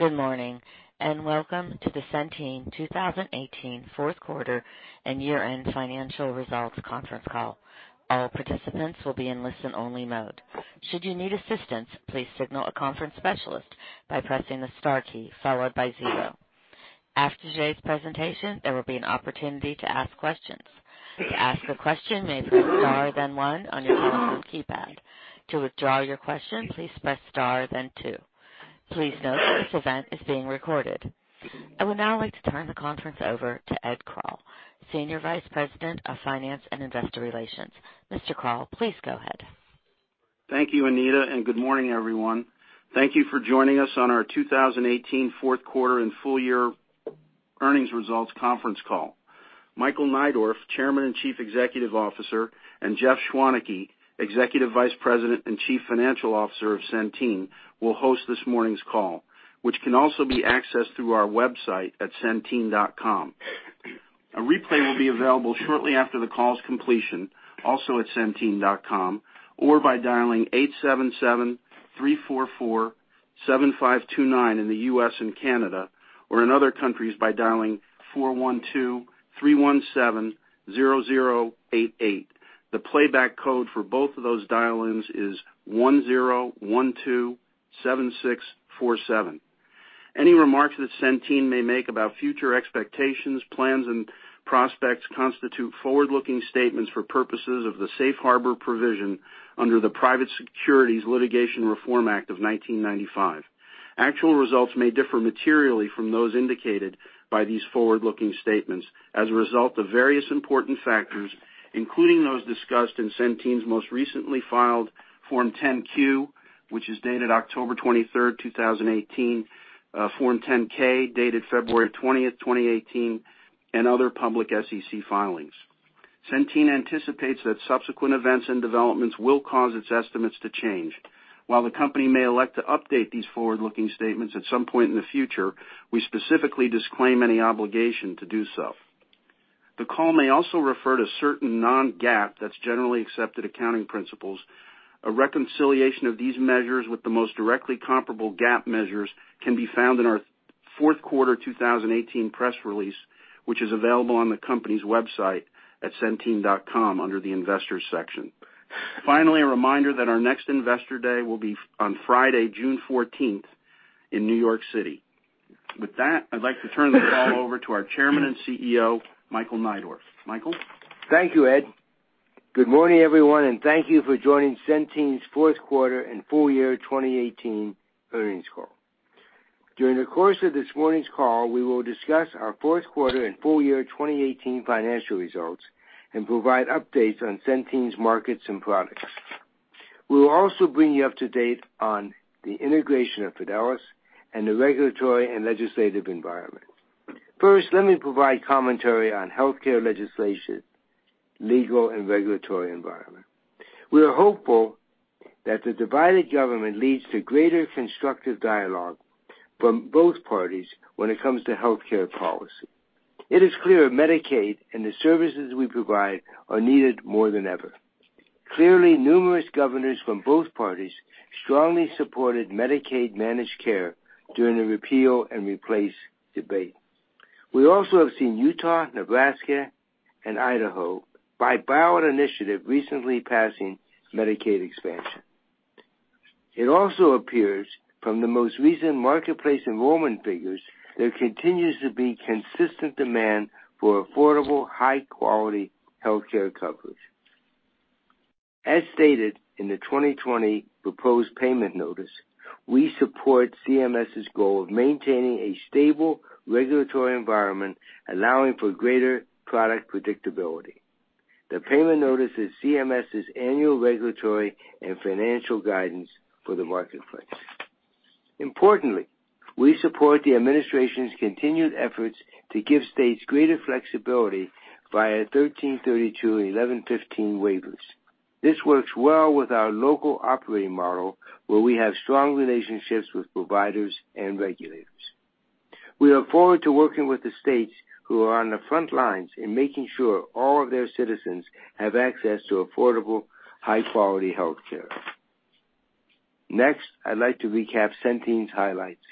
Good morning, and welcome to the Centene 2018 fourth quarter and year-end financial results conference call. All participants will be in listen-only mode. Should you need assistance, please signal a conference specialist by pressing the star key followed by zero. After today's presentation, there will be an opportunity to ask questions. To ask a question, you may press star, then one on your telephone keypad. To withdraw your question, please press star then two. Please note that this event is being recorded. I would now like to turn the conference over to Ed Kroll, Senior Vice President of Finance and Investor Relations. Mr. Kroll, please go ahead. Thank you, Anita, good morning, everyone. Thank you for joining us on our 2018 fourth quarter and full year earnings results conference call. Michael Neidorff, Chairman and Chief Executive Officer, and Jeff Schwaneke, Executive Vice President and Chief Financial Officer of Centene, will host this morning's call, which can also be accessed through our website at centene.com. A replay will be available shortly after the call's completion, also at centene.com, or by dialing 877-344-7529 in the U.S. and Canada, or in other countries by dialing 412-317-0088. The playback code for both of those dial-ins is 10127647. Any remarks that Centene may make about future expectations, plans, and prospects constitute forward-looking statements for purposes of the Safe Harbor provision under the Private Securities Litigation Reform Act of 1995. Actual results may differ materially from those indicated by these forward-looking statements as a result of various important factors, including those discussed in Centene's most recently filed Form 10-Q, which is dated October 23rd, 2018, Form 10-K, dated February 20th, 2018, and other public SEC filings. Centene anticipates that subsequent events and developments will cause its estimates to change. While the company may elect to update these forward-looking statements at some point in the future, we specifically disclaim any obligation to do so. The call may also refer to certain non-GAAP, that's Generally Accepted Accounting Principles. A reconciliation of these measures with the most directly comparable GAAP measures can be found in our fourth-quarter 2018 press release, which is available on the company's website at centene.com under the Investors section. Finally, a reminder that our next Investor Day will be on Friday, June 14th in New York City. With that, I'd like to turn the call over to our Chairman and CEO, Michael Neidorff. Michael? Thank you, Ed. Good morning, everyone, and thank you for joining Centene's fourth quarter and full year 2018 earnings call. During the course of this morning's call, we will discuss our fourth quarter and full year 2018 financial results and provide updates on Centene's markets and products. We will also bring you up to date on the integration of Fidelis and the regulatory and legislative environment. First, let me provide commentary on healthcare legislation, legal, and regulatory environment. We are hopeful that the divided government leads to greater constructive dialogue from both parties when it comes to healthcare policy. It is clear Medicaid and the services we provide are needed more than ever. Clearly, numerous governors from both parties strongly supported Medicaid managed care during the repeal and replace debate. We also have seen Utah, Nebraska, and Idaho, by ballot initiative, recently passing Medicaid expansion. It also appears, from the most recent marketplace enrollment figures, there continues to be consistent demand for affordable, high-quality healthcare coverage. As stated in the 2020 proposed payment notice, we support CMS's goal of maintaining a stable regulatory environment, allowing for greater product predictability. The payment notice is CMS's annual regulatory and financial guidance for the marketplace. Importantly, we support the administration's continued efforts to give states greater flexibility via 1332 and 1115 waivers. This works well with our local operating model, where we have strong relationships with providers and regulators. We look forward to working with the states who are on the front lines in making sure all of their citizens have access to affordable, high-quality healthcare. Next, I'd like to recap Centene's highlights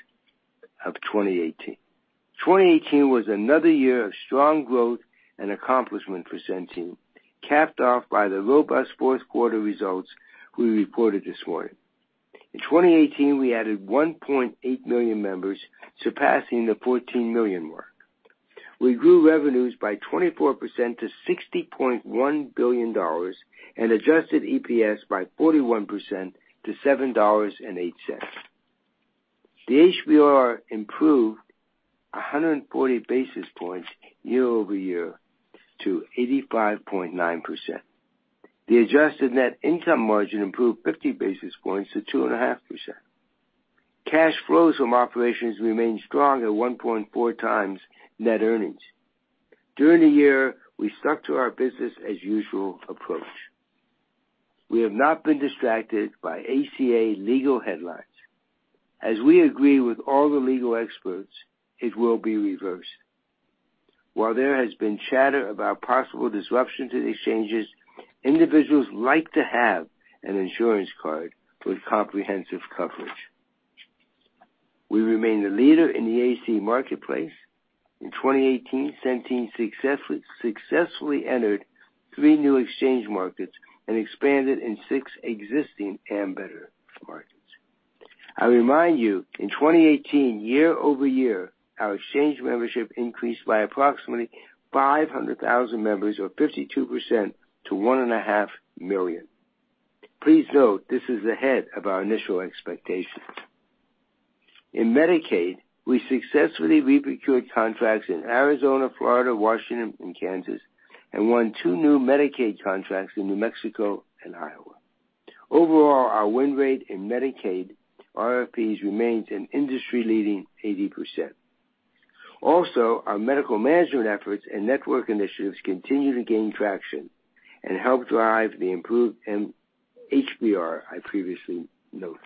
of 2018. 2018 was another year of strong growth and accomplishment for Centene, capped off by the robust fourth quarter results we reported this morning. In 2018, we added 1.8 million members, surpassing the 14 million mark. We grew revenues by 24% to $60.1 billion, and adjusted EPS by 41% to $7.08. The HBR improved 140 basis points year-over-year to 85.9%. The adjusted net income margin improved 50 basis points to 2.5%. Cash flows from operations remained strong at 1.4x net earnings. During the year, we stuck to our business as usual approach. We have not been distracted by ACA legal headlines. As we agree with all the legal experts, it will be reversed. While there has been chatter about possible disruption to the exchanges, individuals like to have an insurance card with comprehensive coverage. We remain the leader in the ACA marketplace. In 2018, Centene successfully entered three new exchange markets and expanded in six existing Ambetter markets. I remind you, in 2018, year-over-year, our exchange membership increased by approximately 500,000 members or 52% to 1.5 million. Please note, this is ahead of our initial expectations. In Medicaid, we successfully reprocured contracts in Arizona, Florida, Washington, and Kansas, and won two new Medicaid contracts in New Mexico and Iowa. Overall, our win rate in Medicaid RFPs remains an industry-leading 80%. Also, our medical management efforts and network initiatives continue to gain traction and help drive the improved HBR I previously noted.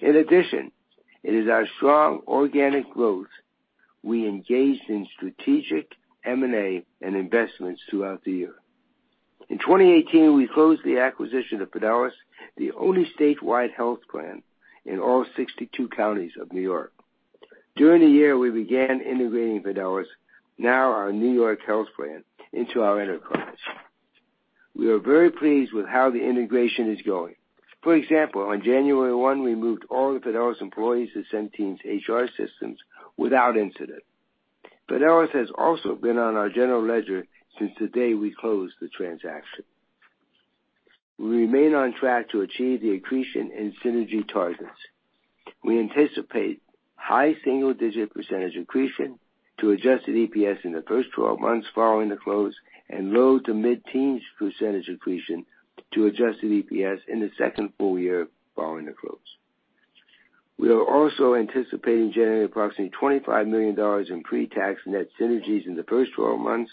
In addition, it is our strong organic growth, we engaged in strategic M&A and investments throughout the year. In 2018, we closed the acquisition of Fidelis, the only statewide health plan in all 62 counties of New York. During the year, we began integrating Fidelis, now our New York health plan, into our enterprise. We are very pleased with how the integration is going. For example, on January 1, we moved all the Fidelis employees to Centene's HR systems without incident. Fidelis has also been on our general ledger since the day we closed the transaction. We remain on track to achieve the accretion and synergy targets. We anticipate high single-digit % accretion to adjusted EPS in the first 12 months following the close and low to mid-teens % accretion to adjusted EPS in the second full year following the close. We are also anticipating generating approximately $25 million in pre-tax net synergies in the first 12 months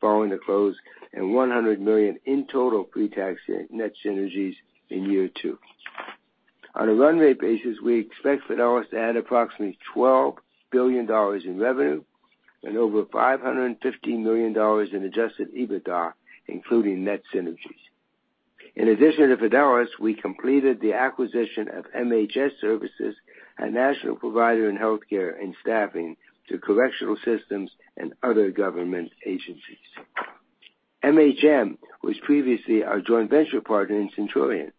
following the close and $100 million in total pre-tax net synergies in year two. On a runway basis, we expect Fidelis to add approximately $12 billion in revenue and over $550 million in adjusted EBITDA, including net synergies. In addition to Fidelis, we completed the acquisition of MHM Services, a national provider in healthcare and staffing to correctional systems and other government agencies. MHM was previously our joint venture partner in Centurion.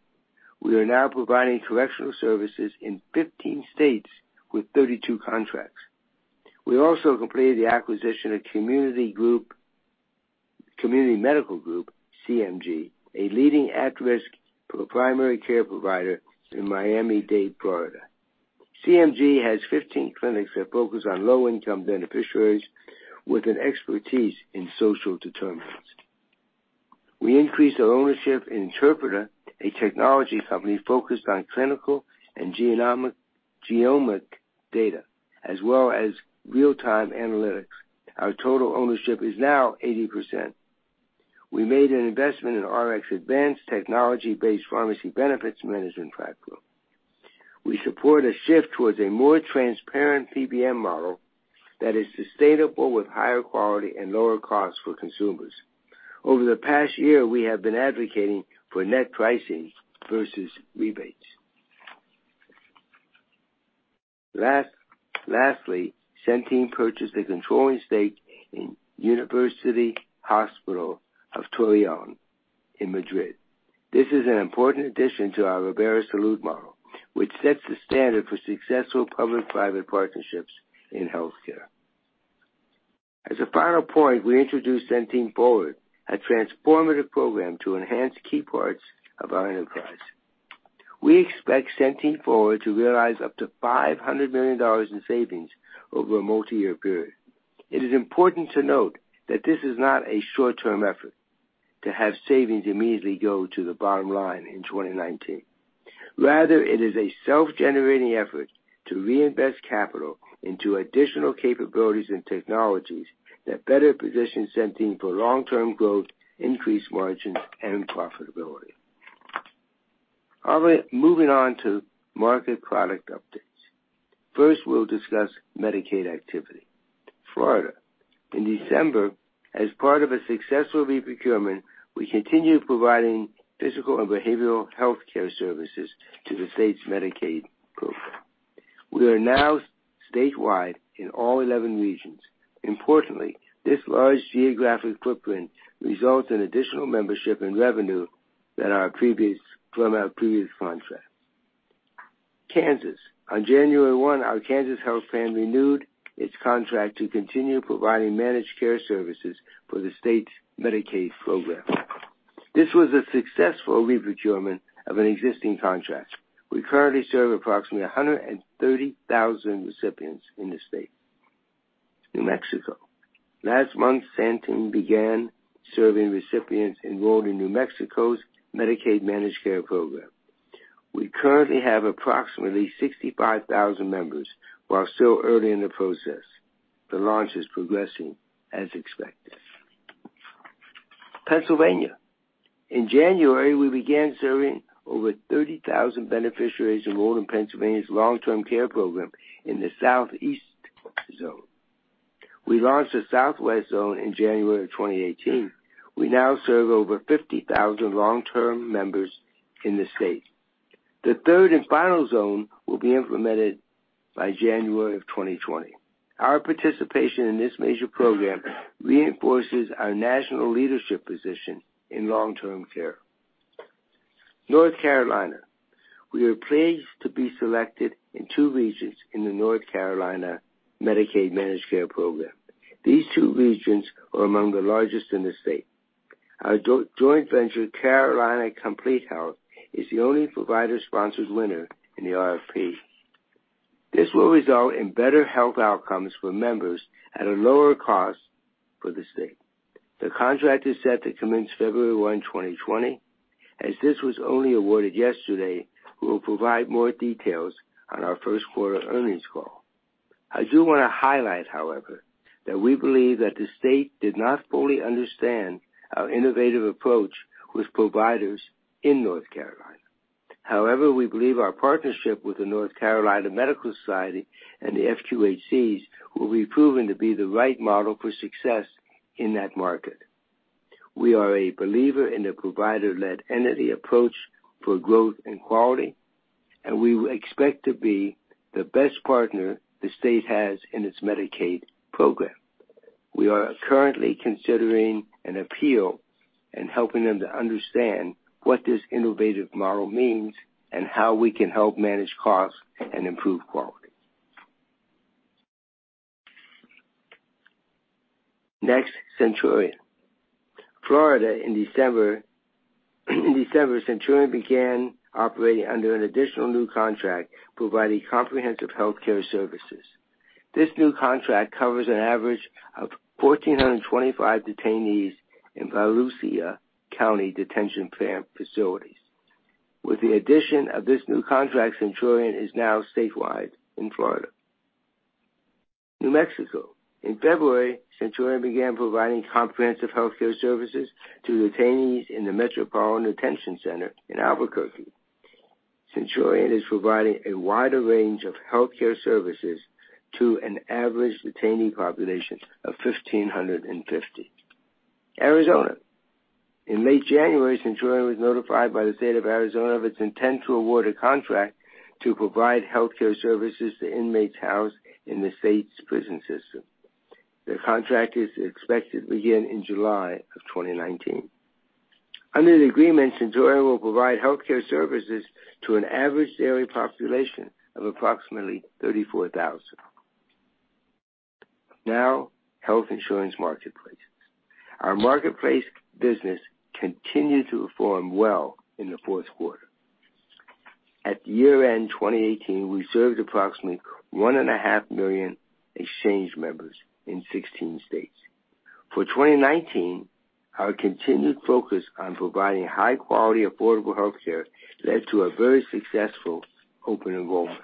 We are now providing correctional services in 15 states with 32 contracts. We also completed the acquisition of Community Medical Group, CMG, a leading at-risk primary care provider in Miami-Dade, Florida. CMG has 15 clinics that focus on low-income beneficiaries with an expertise in social determinants. We increased our ownership in Interpreta, a technology company focused on clinical and genomic data, as well as real-time analytics. Our total ownership is now 80%. We made an investment in RxAdvance, technology-based pharmacy benefits management platform. We support a shift towards a more transparent PBM model that is sustainable with higher quality and lower costs for consumers. Over the past year, we have been advocating for net pricing versus rebates. Lastly, Centene purchased a controlling stake in University Hospital of Torrejón in Madrid. This is an important addition to our Ribera Salud model, which sets the standard for successful public-private partnerships in healthcare. As a final point, we introduced Centene Forward, a transformative program to enhance key parts of our enterprise. We expect Centene Forward to realize up to $500 million in savings over a multi-year period. It is important to note that this is not a short-term effort to have savings immediately go to the bottom line in 2019. Rather, it is a self-generating effort to reinvest capital into additional capabilities and technologies that better position Centene for long-term growth, increased margins, and profitability. Moving on to market product updates. First, we'll discuss Medicaid activity. Florida. In December, as part of a successful reprocurement, we continued providing physical and behavioral healthcare services to the state's Medicaid program. We are now statewide in all 11 regions. Importantly, this large geographic footprint results in additional membership and revenue from our previous contract. Kansas. On January 1, our Kansas Health Plan renewed its contract to continue providing managed care services for the state's Medicaid program. This was a successful reprocurement of an existing contract. We currently serve approximately 130,000 recipients in the state. New Mexico. Last month, Centene began serving recipients enrolled in New Mexico's Medicaid managed care program. We currently have approximately 65,000 members while still early in the process. The launch is progressing as expected. Pennsylvania. In January, we began serving over 30,000 beneficiaries enrolled in Pennsylvania's long-term care program in the Southeast Zone. We launched the Southwest Zone in January of 2018. We now serve over 50,000 long-term members in the state. The third and final zone will be implemented by January of 2020. Our participation in this major program reinforces our national leadership position in long-term care. North Carolina. We are pleased to be selected in two regions in the North Carolina Medicaid Managed Care program. These two regions are among the largest in the state. Our joint venture, Carolina Complete Health, is the only provider-sponsored winner in the RFP. This will result in better health outcomes for members at a lower cost for the state. The contract is set to commence February 1, 2020. As this was only awarded yesterday, we will provide more details on our first quarter earnings call. I do want to highlight, however, that we believe that the state did not fully understand our innovative approach with providers in North Carolina. We believe our partnership with the North Carolina Medical Society and the FQHCs will be proven to be the right model for success in that market. We are a believer in the provider-led entity approach for growth and quality, and we expect to be the best partner the state has in its Medicaid program. We are currently considering an appeal and helping them to understand what this innovative model means and how we can help manage costs and improve quality. Next, Centurion. Florida in December, Centurion began operating under an additional new contract providing comprehensive healthcare services. This new contract covers an average of 1,425 detainees in Volusia County detention facilities. With the addition of this new contract, Centurion is now statewide in Florida. New Mexico. In February, Centurion began providing comprehensive healthcare services to detainees in the Metropolitan Detention Center in Albuquerque. Centurion is providing a wider range of healthcare services to an average detainee population of 1,550. Arizona. In late January, Centurion was notified by the state of Arizona of its intent to award a contract to provide healthcare services to inmates housed in the state's prison system. The contract is expected to begin in July of 2019. Under the agreement, Centurion will provide healthcare services to an average daily population of approximately 34,000. Health Insurance Marketplaces. Our marketplace business continued to perform well in the fourth quarter. At year-end 2018, we served approximately 1.5 million exchange members in 16 states. For 2019, our continued focus on providing high quality, affordable healthcare led to a very successful open enrollment.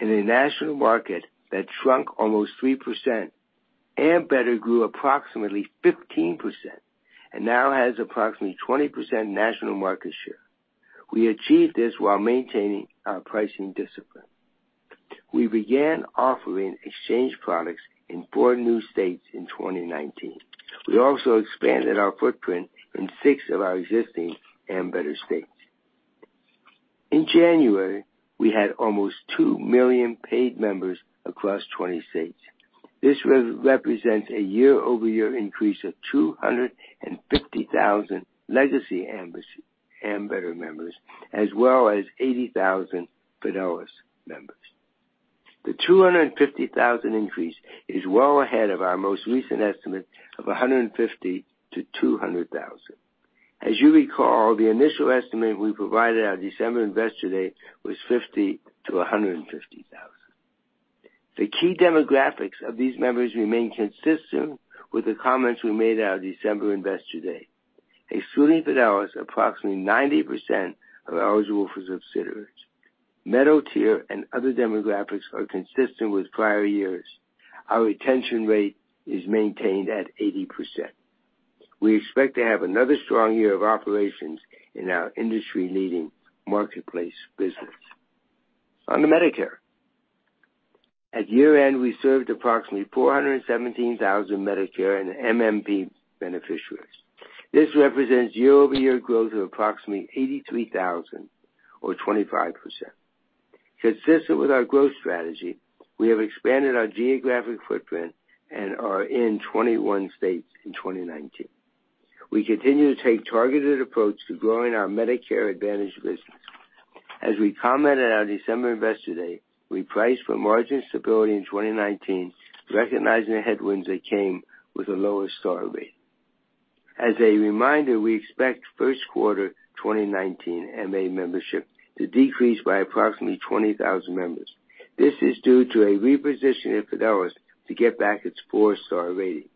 In a national market that shrunk almost 3%, Ambetter grew approximately 15% and now has approximately 20% national market share. We achieved this while maintaining our pricing discipline. We began offering exchange products in four new states in 2019. We also expanded our footprint in six of our existing Ambetter states. In January, we had almost two million paid members across 20 states. This represents a year-over-year increase of 250,000 legacy Ambetter members, as well as 80,000 Fidelis members. The 250,000 increase is well ahead of our most recent estimate of 150 to 200,000. As you recall, the initial estimate we provided at our December Investor Day was 50 to 150,000. The key demographics of these members remain consistent with the comments we made at our December Investor Day. Excluding Fidelis, approximately 90% are eligible for subsidies. Metal tier and other demographics are consistent with prior years. Our retention rate is maintained at 80%. We expect to have another strong year of operations in our industry-leading marketplace business. On to Medicare. At year-end, we served approximately 417,000 Medicare and MMP beneficiaries. This represents year-over-year growth of approximately 83,000 or 25%. Consistent with our growth strategy, we have expanded our geographic footprint and are in 21 states in 2019. We continue to take a targeted approach to growing our Medicare Advantage business. As we commented at our December Investor Day, we priced for margin stability in 2019, recognizing the headwinds that came with a lower star rate. As a reminder, we expect first quarter 2019 MA membership to decrease by approximately 20,000 members. This is due to a repositioning of Fidelis to get back its four-star rating.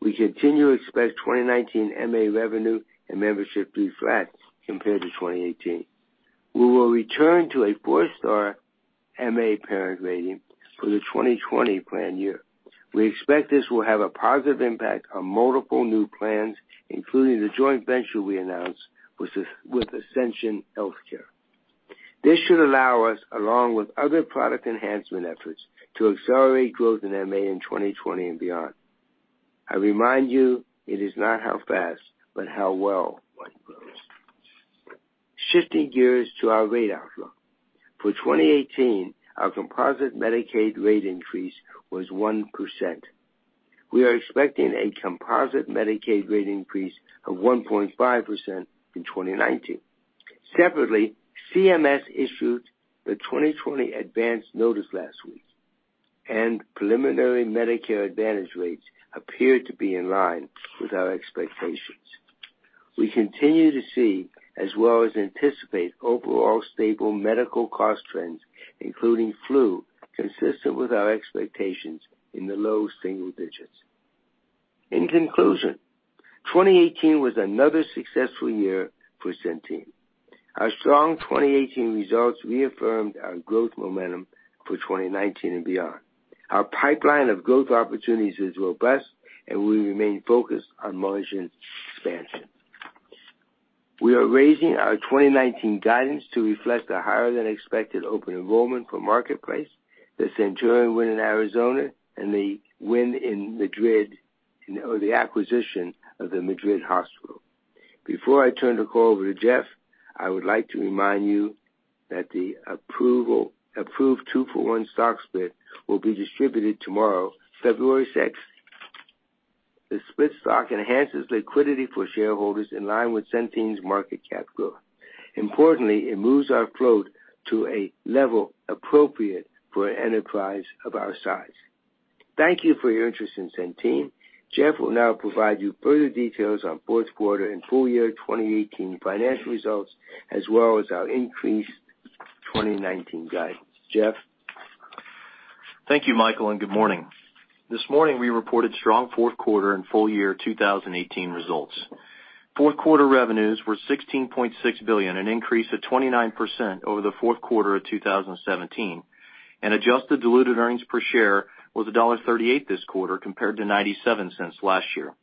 We continue to expect 2019 MA revenue and membership to be flat compared to 2018. We will return to a four-star MA rating for the 2020 plan year. We expect this will have a positive impact on multiple new plans, including the joint venture we announced with Ascension. This should allow us, along with other product enhancement efforts, to accelerate growth in MA in 2020 and beyond. I remind you, it is not how fast, but how well one grows. Shifting gears to our rate outlook. For 2018, our composite Medicaid rate increase was 1%. We are expecting a composite Medicaid rate increase of 1.5% in 2019. Separately, CMS issued the 2020 advance notice last week, and preliminary Medicare Advantage rates appeared to be in line with our expectations. We continue to see, as well as anticipate overall stable medical cost trends, including flu, consistent with our expectations in the low single digits. In conclusion, 2018 was another successful year for Centene. Our strong 2018 results reaffirmed our growth momentum for 2019 and beyond. Our pipeline of growth opportunities is robust, and we remain focused on margin expansion. We are raising our 2019 guidance to reflect a higher than expected open enrollment for Marketplace, the Centurion win in Arizona, and the win in Madrid, or the acquisition of the Madrid hospital. Before I turn the call over to Jeff, I would like to remind you that the approved two-for-one stock split will be distributed tomorrow, February 6th. The split stock enhances liquidity for shareholders in line with Centene's market cap growth. Importantly, it moves our float to a level appropriate for an enterprise of our size. Thank you for your interest in Centene. Jeff will now provide you further details on fourth quarter and full year 2018 financial results, as well as our increased 2019 guidance. Jeff? Thank you, Michael, and good morning. This morning, we reported strong fourth quarter and full year 2018 results. Fourth quarter revenues were $16.6 billion, an increase of 29% over the fourth quarter of 2017, and adjusted diluted earnings per share was $1.38 this quarter, compared to $0.97 last year.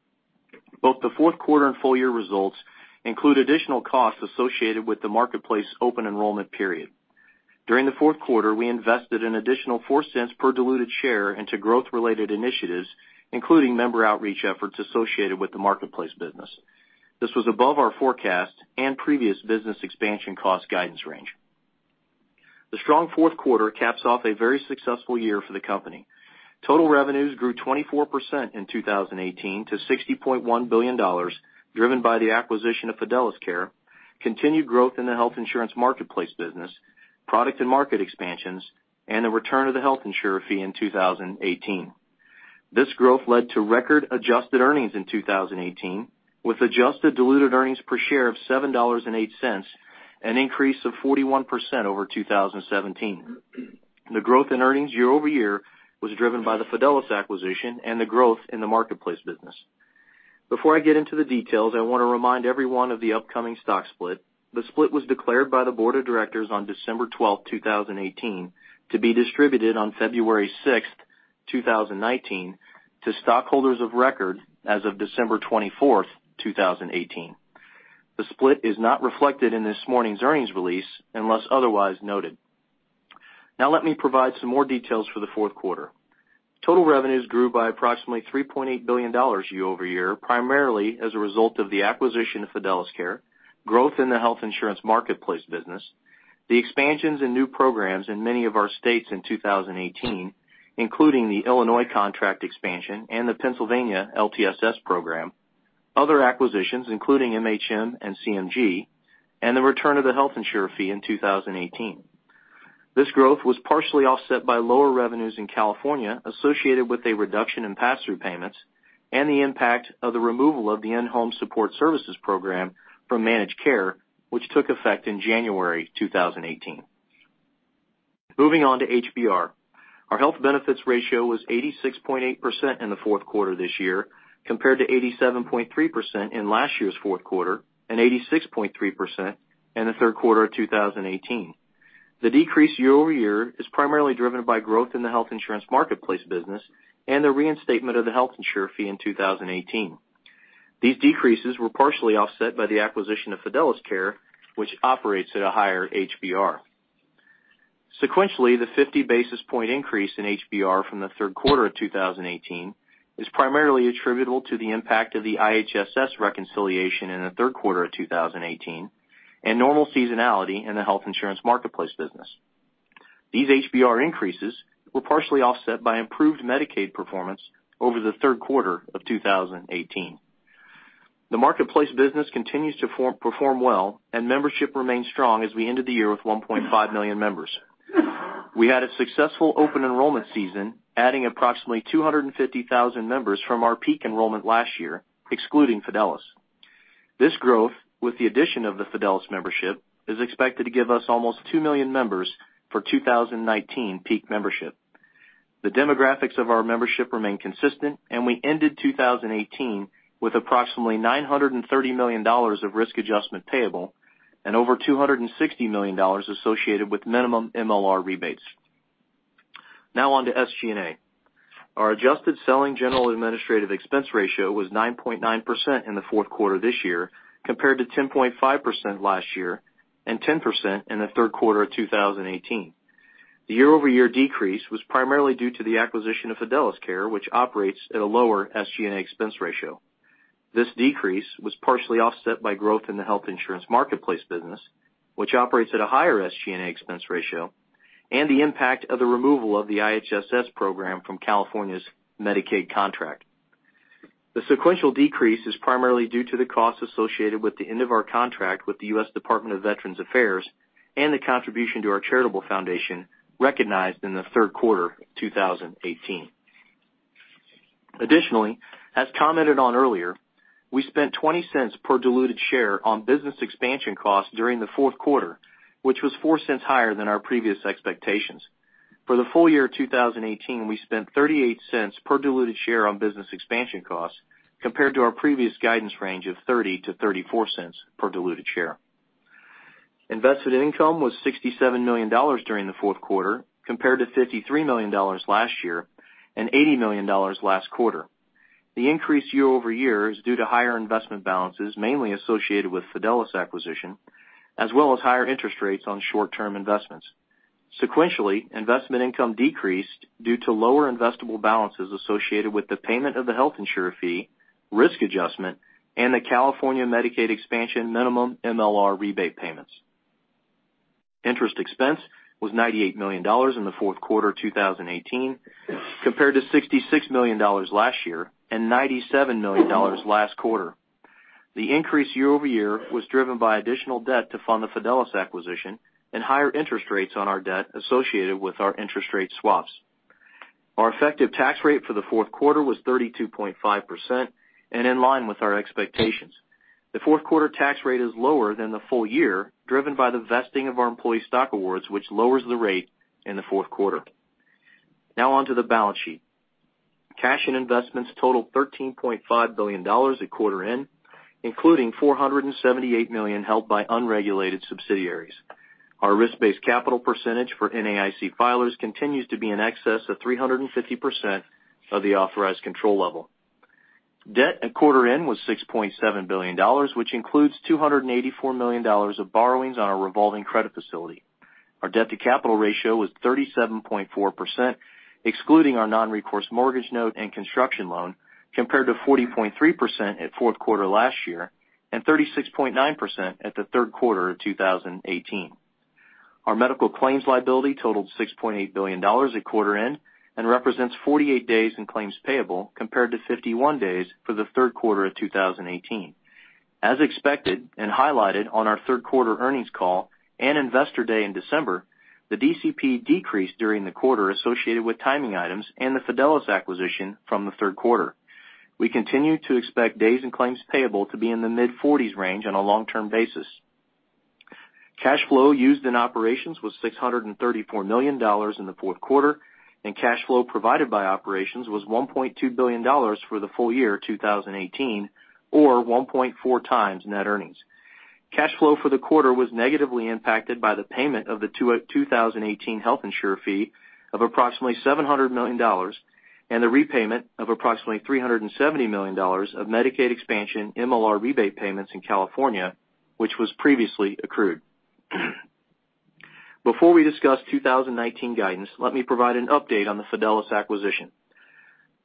Both the fourth quarter and full year results include additional costs associated with the Marketplace open enrollment period. During the fourth quarter, we invested an additional $0.04 per diluted share into growth-related initiatives, including member outreach efforts associated with the Marketplace business. This was above our forecast and previous business expansion cost guidance range. The strong fourth quarter caps off a very successful year for the company. Total revenues grew 24% in 2018 to $60.1 billion, driven by the acquisition of Fidelis Care, continued growth in the Health Insurance Marketplace business, product and market expansions, and a return of the health insurer fee in 2018. This growth led to record adjusted earnings in 2018, with adjusted diluted earnings per share of $7.08, an increase of 41% over 2017. The growth in earnings year-over-year was driven by the Fidelis acquisition and the growth in the Marketplace business. Before I get into the details, I want to remind everyone of the upcoming stock split. The split was declared by the board of directors on December 12th, 2018, to be distributed on February 6th, 2019, to stockholders of record as of December 24th, 2018. The split is not reflected in this morning's earnings release, unless otherwise noted. Now let me provide some more details for the fourth quarter. Total revenues grew by approximately $3.8 billion year-over-year, primarily as a result of the acquisition of Fidelis Care, growth in the Health Insurance Marketplace business, the expansions in new programs in many of our states in 2018, including the Illinois contract expansion and the Pennsylvania LTSS program, other acquisitions including MHM and CMG, and the return of the health insurer fee in 2018. This growth was partially offset by lower revenues in California associated with a reduction in pass-through payments and the impact of the removal of the In-Home Support Services program from managed care, which took effect in January 2018. Moving on to HBR. Our health benefits ratio was 86.8% in the fourth quarter this year, compared to 87.3% in last year's fourth quarter, and 86.3% in the third quarter of 2018. The decrease year-over-year is primarily driven by growth in the Health Insurance Marketplace business and the reinstatement of the health insurer fee in 2018. These decreases were partially offset by the acquisition of Fidelis Care, which operates at a higher HBR. Sequentially, the 50 basis point increase in HBR from the third quarter of 2018 is primarily attributable to the impact of the IHSS reconciliation in the third quarter of 2018 and normal seasonality in the Health Insurance Marketplace business. These HBR increases were partially offset by improved Medicaid performance over the third quarter of 2018. The Marketplace business continues to perform well, and membership remains strong as we ended the year with 1.5 million members. We had a successful open enrollment season, adding approximately 250,000 members from our peak enrollment last year, excluding Fidelis. This growth, with the addition of the Fidelis membership, is expected to give us almost two million members for 2019 peak membership. The demographics of our membership remain consistent, and we ended 2018 with approximately $930 million of risk adjustment payable and over $260 million associated with minimum MLR rebates. Now on to SG&A. Our adjusted selling general administrative expense ratio was 9.9% in the fourth quarter this year, compared to 10.5% last year and 10% in the third quarter of 2018. The year-over-year decrease was primarily due to the acquisition of Fidelis Care, which operates at a lower SG&A expense ratio. This decrease was partially offset by growth in the Health Insurance Marketplace business, which operates at a higher SG&A expense ratio, and the impact of the removal of the IHSS program from California's Medicaid contract. The sequential decrease is primarily due to the costs associated with the end of our contract with the U.S. Department of Veterans Affairs and the contribution to our charitable foundation recognized in the third quarter of 2018. Additionally, as commented on earlier, we spent $0.20 per diluted share on business expansion costs during the fourth quarter, which was $0.04 higher than our previous expectations. For the full year 2018, we spent $0.38 per diluted share on business expansion costs, compared to our previous guidance range of $0.30-$0.34 per diluted share. Invested income was $67 million during the fourth quarter, compared to $53 million last year and $80 million last quarter. The increase year-over-year is due to higher investment balances, mainly associated with Fidelis acquisition, as well as higher interest rates on short-term investments. Sequentially, investment income decreased due to lower investable balances associated with the payment of the health insurer fee, risk adjustment, and the California Medicaid expansion minimum MLR rebate payments. Interest expense was $98 million in the fourth quarter 2018, compared to $66 million last year and $97 million last quarter. The increase year-over-year was driven by additional debt to fund the Fidelis acquisition and higher interest rates on our debt associated with our interest rate swaps. Our effective tax rate for the fourth quarter was 32.5% and in line with our expectations. The fourth quarter tax rate is lower than the full year, driven by the vesting of our employee stock awards, which lowers the rate in the fourth quarter. Now on to the balance sheet. Cash and investments totaled $13.5 billion at quarter end, including $478 million held by unregulated subsidiaries. Our risk-based capital percentage for NAIC filers continues to be in excess of 350% of the authorized control level. Debt at quarter end was $6.7 billion, which includes $284 million of borrowings on our revolving credit facility. Our debt-to-capital ratio was 37.4%, excluding our non-recourse mortgage note and construction loan, compared to 40.3% at fourth quarter last year and 36.9% at the third quarter of 2018. Our medical claims liability totaled $6.8 billion at quarter end and represents 48 days in claims payable compared to 51 days for the third quarter of 2018. As expected and highlighted on our third quarter earnings call and Investor Day in December, the DCP decreased during the quarter associated with timing items and the Fidelis acquisition from the third quarter. We continue to expect days in claims payable to be in the mid-40s range on a long-term basis. Cash flow used in operations was $634 million in the fourth quarter, and cash flow provided by operations was $1.2 billion for the full year 2018 or 1.4x net earnings. Cash flow for the quarter was negatively impacted by the payment of the 2018 health insurer fee of approximately $700 million and the repayment of approximately $370 million of Medicaid expansion MLR rebate payments in California, which was previously accrued. Before we discuss 2019 guidance, let me provide an update on the Fidelis acquisition.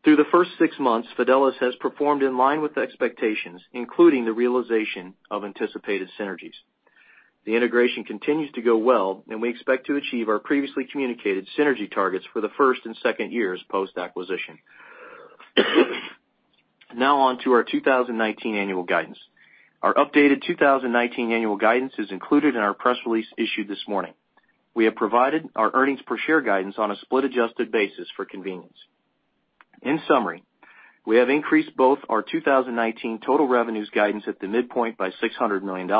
Through the first six months, Fidelis has performed in line with expectations, including the realization of anticipated synergies. The integration continues to go well, and we expect to achieve our previously communicated synergy targets for the first and second years post-acquisition. Now on to our 2019 annual guidance. Our updated 2019 annual guidance is included in our press release issued this morning. We have provided our earnings per share guidance on a split adjusted basis for convenience. In summary, we have increased both our 2019 total revenues guidance at the midpoint by $600 million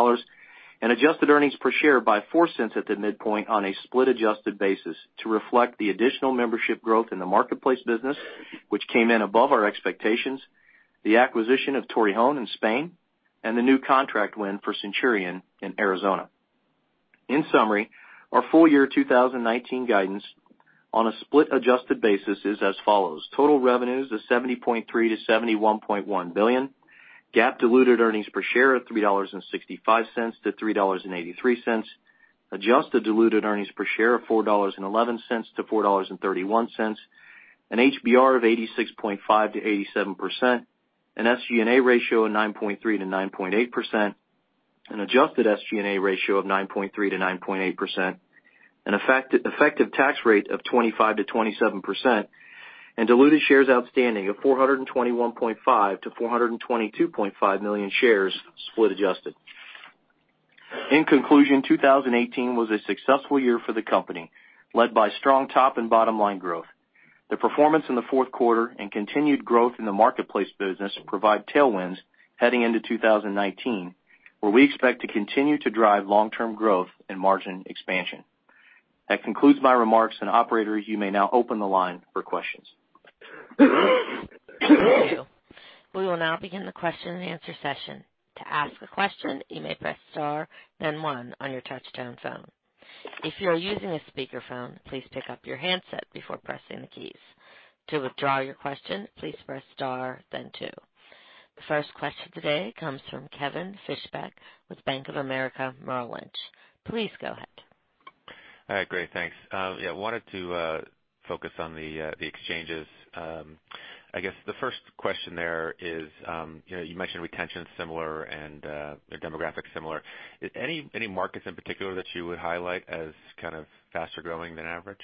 and adjusted earnings per share by $0.04 at the midpoint on a split adjusted basis to reflect the additional membership growth in the marketplace business, which came in above our expectations, the acquisition of Torrejón in Spain, and the new contract win for Centurion in Arizona. In summary, our full year 2019 guidance on a split adjusted basis is as follows. Total revenues of $70.3 billion-$71.1 billion, GAAP diluted earnings per share of $3.65-$3.83, adjusted diluted earnings per share of $4.11-$4.31, an HBR of 86.5%-87%, an SG&A ratio of 9.3%-9.8%, an adjusted SG&A ratio of 9.3%-9.8%, an effective tax rate of 25%-27%, and diluted shares outstanding of 421.5 million-422.5 million shares split adjusted. In conclusion, 2018 was a successful year for the company, led by strong top and bottom-line growth. The performance in the fourth quarter and continued growth in the marketplace business provide tailwinds heading into 2019. Where we expect to continue to drive long-term growth and margin expansion. That concludes my remarks. Operator, you may now open the line for questions. Thank you. We will now begin the question and answer session. To ask a question, you may press star, then one on your touch-tone phone. If you are using a speakerphone, please pick up your handset before pressing the keys. To withdraw your question, please press star, then two. The first question today comes from Kevin Fischbeck with Bank of America Merrill Lynch. Please go ahead. All right. Great. Thanks. Wanted to focus on the exchanges. I guess the first question there is, you mentioned retention similar and the demographics similar. Any markets in particular that you would highlight as kind of faster growing than average?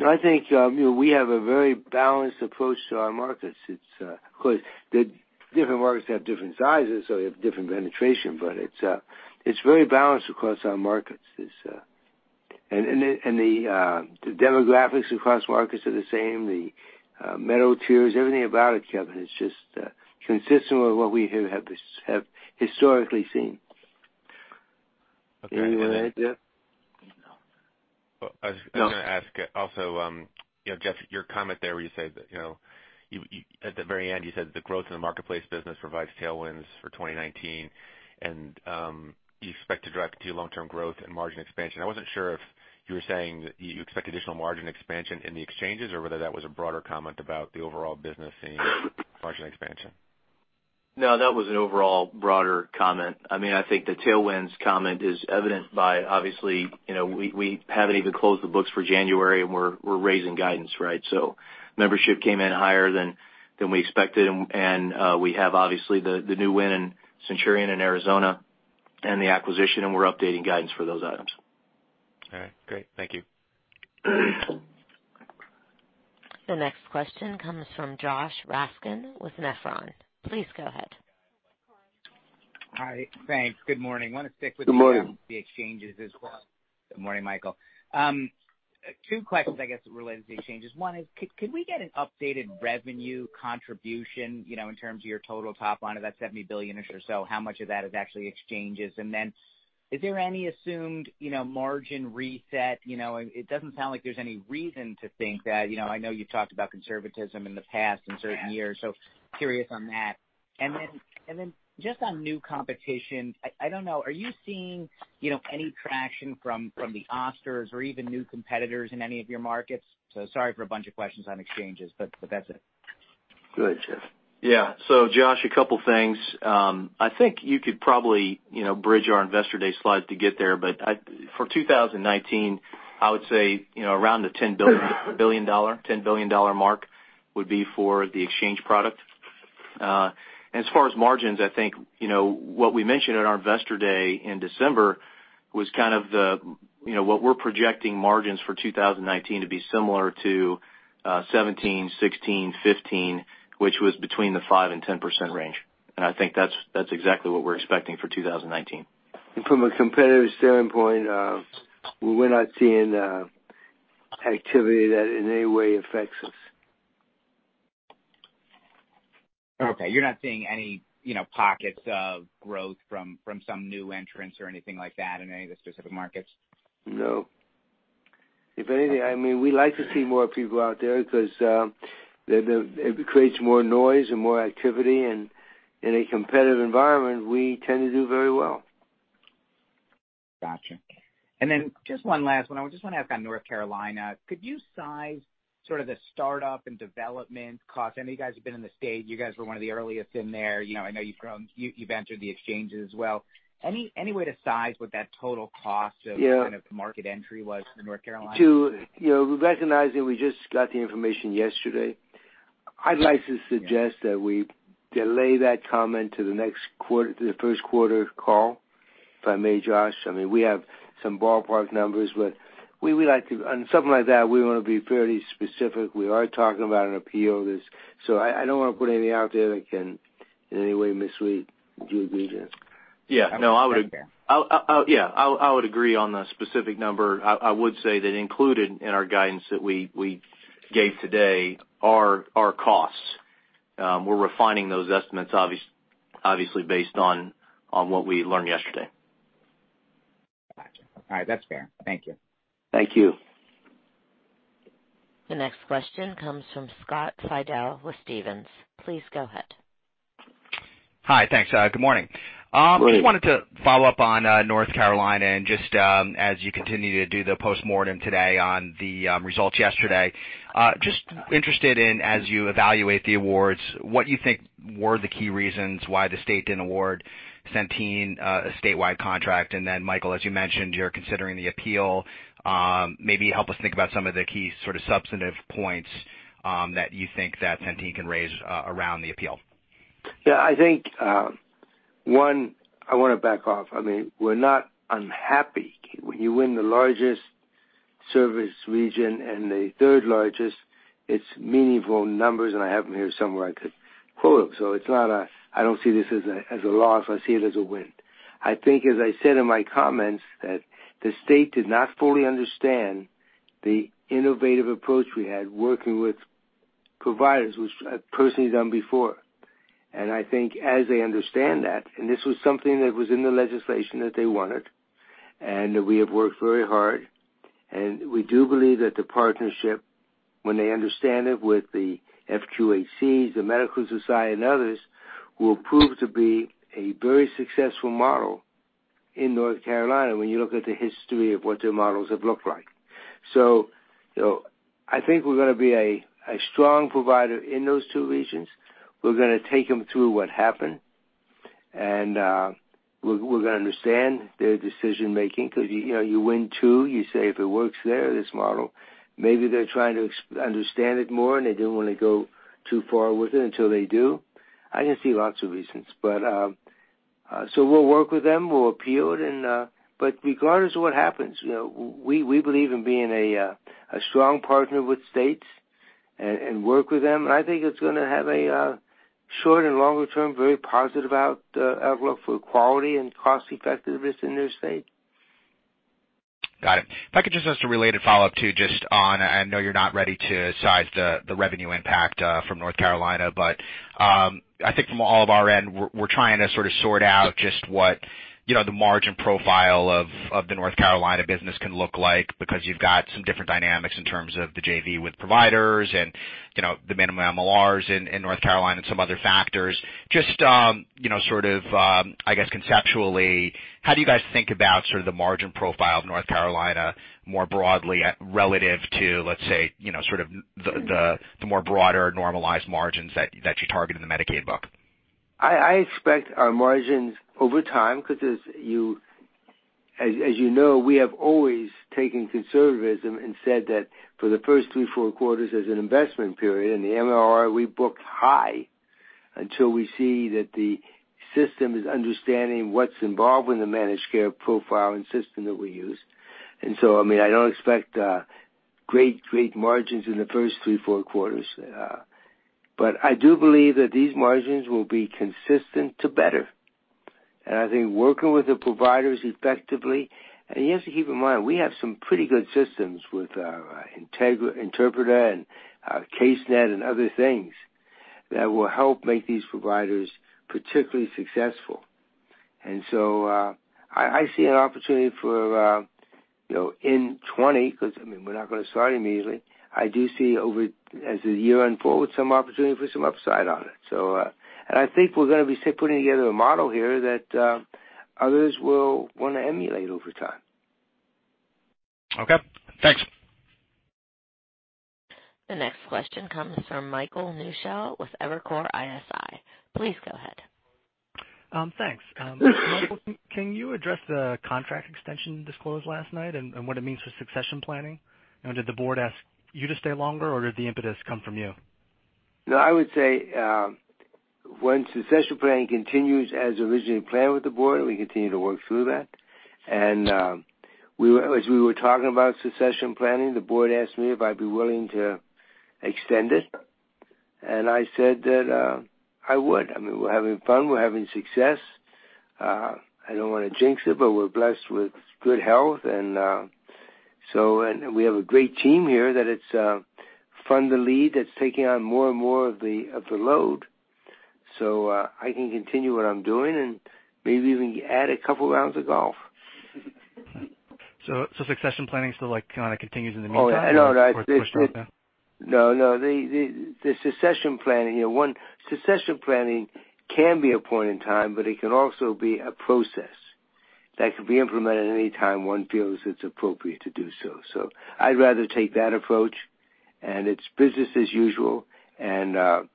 No, I think, we have a very balanced approach to our markets. Of course, the different markets have different sizes, so they have different penetration, but it's very balanced across our markets. The demographics across markets are the same, the metal tiers, everything about it, Kevin, is just consistent with what we have historically seen. Okay. Anything you want to add, Jeff? No. Well, I was going to ask also, Jeff, your comment there where you said that at the very end, you said the growth in the marketplace business provides tailwinds for 2019 and you expect to drive to long-term growth and margin expansion. I wasn't sure if you were saying you expect additional margin expansion in the exchanges, or whether that was a broader comment about the overall business and margin expansion. No, that was an overall broader comment. I think the tailwinds comment is evident by obviously, we haven't even closed the books for January and we're raising guidance, right? Membership came in higher than we expected, and we have obviously the new win in Centurion in Arizona and the acquisition, and we're updating guidance for those items. All right, great. Thank you. The next question comes from Josh Raskin with Nephron. Please go ahead. Hi. Thanks. Good morning. I want to stick with- Good morning. the exchanges as well. Good morning, Michael. Two questions, I guess, related to the exchanges. One is, could we get an updated revenue contribution, in terms of your total top line of that $70 billion or so, how much of that is actually exchanges? Is there any assumed margin reset? It doesn't sound like there's any reason to think that. I know you talked about conservatism in the past in certain years, so curious on that. Then just on new competition, I don't know, are you seeing any traction from the Oscar or even new competitors in any of your markets? Sorry for a bunch of questions on exchanges, but that's it. Go ahead, Jeff. Josh, a couple things. I think you could probably bridge our Investor Day slides to get there, but for 2019, I would say, around the $10 billion mark would be for the exchange product. As far as margins, I think, what we mentioned at our Investor Day in December was kind of the what we're projecting margins for 2019 to be similar to 2017, 2016, 2015, which was between the 5% and 10% range. I think that's exactly what we're expecting for 2019. From a competitive standpoint, we're not seeing activity that in any way affects us. You're not seeing any pockets of growth from some new entrants or anything like that in any of the specific markets? No. If anything, we like to see more people out there because it creates more noise and more activity. In a competitive environment, we tend to do very well. Got you. Just one last one. I just want to ask on North Carolina, could you size sort of the startup and development cost? I know you guys have been in the state. You guys were one of the earliest in there. I know you've grown, you've entered the exchanges as well. Any way to size what that total cost of- Yeah kind of market entry was for North Carolina? To recognize that we just got the information yesterday, I'd like to suggest that we delay that comment to the first quarter call, if I may, Josh. We have some ballpark numbers, but on something like that, we want to be fairly specific. We are talking about an appeal. I don't want to put anything out there that can in any way mislead. Do you agree, Jeff? Yeah. I would agree on the specific number. I would say that included in our guidance that we gave today are costs. We're refining those estimates obviously based on what we learned yesterday. Got you. All right, that's fair. Thank you. Thank you. The next question comes from Scott Fidel with Stephens. Please go ahead. Hi. Thanks. Good morning. Good morning. Just wanted to follow up on North Carolina and just as you continue to do the postmortem today on the results yesterday. Just interested in, as you evaluate the awards, what you think were the key reasons why the state didn't award Centene a statewide contract. Michael, as you mentioned, you're considering the appeal. Maybe help us think about some of the key sort of substantive points that you think that Centene can raise around the appeal. I think, one, I want to back off. We're not unhappy. When you win the largest service region and the third largest, it's meaningful numbers, and I have them here somewhere, I could quote them. I don't see this as a loss. I see it as a win. I think, as I said in my comments, that the state did not fully understand the innovative approach we had working with providers, which I've personally done before. I think as they understand that, this was something that was in the legislation that they wanted, and we have worked very hard, and we do believe that the partnership, when they understand it with the FQHCs, the North Carolina Medical Society, and others, will prove to be a very successful model in North Carolina when you look at the history of what their models have looked like. I think we're going to be a strong provider in those two regions. We're going to take them through what happened, and we're going to understand their decision-making because you win two, you say, if it works there, this model. Maybe they're trying to understand it more, and they don't want to go too far with it until they do. I can see lots of reasons. We'll work with them. We'll appeal it. Regardless of what happens, we believe in being a strong partner with states and work with them, and I think it's going to have a short- and longer-term very positive outlook for quality and cost-effectiveness in their state. Got it. If I could just ask a related follow-up too, just on, I know you're not ready to size the revenue impact from North Carolina, I think from all of our end, we're trying to sort out just what the margin profile of the North Carolina business can look like because you've got some different dynamics in terms of the JV with providers and the minimum MLRs in North Carolina and some other factors. Just sort of, I guess, conceptually, how do you guys think about sort of the margin profile of North Carolina more broadly relative to, let's say, sort of the more broader normalized margins that you target in the Medicaid book? I expect our margins over time because as you know, we have always taken conservatism and said that for the first three, four quarters as an investment period, and the MLR, we book high until we see that the system is understanding what's involved with the managed care profile and system that we use. I don't expect great margins in the first three, four quarters. I do believe that these margins will be consistent to better. I think working with the providers effectively, you have to keep in mind, we have some pretty good systems with our Interpreta and our Casenet and other things that will help make these providers particularly successful. I see an opportunity for, in 2020, because, we're not going to start immediately. I do see over, as the year unfold, some opportunity for some upside on it. I think we're going to be putting together a model here that others will want to emulate over time. Okay, thanks. The next question comes from Michael Newshel with Evercore ISI. Please go ahead. Thanks. Michael, can you address the contract extension disclosed last night and what it means for succession planning? Did the board ask you to stay longer, or did the impetus come from you? No, I would say, when succession planning continues as originally planned with the board, we continue to work through that. As we were talking about succession planning, the board asked me if I'd be willing to extend it, and I said that I would. We're having fun. We're having success. I don't want to jinx it, but we're blessed with good health, and we have a great team here that it's fun to lead, that's taking on more and more of the load. I can continue what I'm doing and maybe even add a couple rounds of golf. Succession planning still kind of continues in the meantime. Oh, no Pushed off now? No, no, the succession planning can be a point in time, but it can also be a process that could be implemented any time one feels it's appropriate to do so. I'd rather take that approach, and it's business as usual. It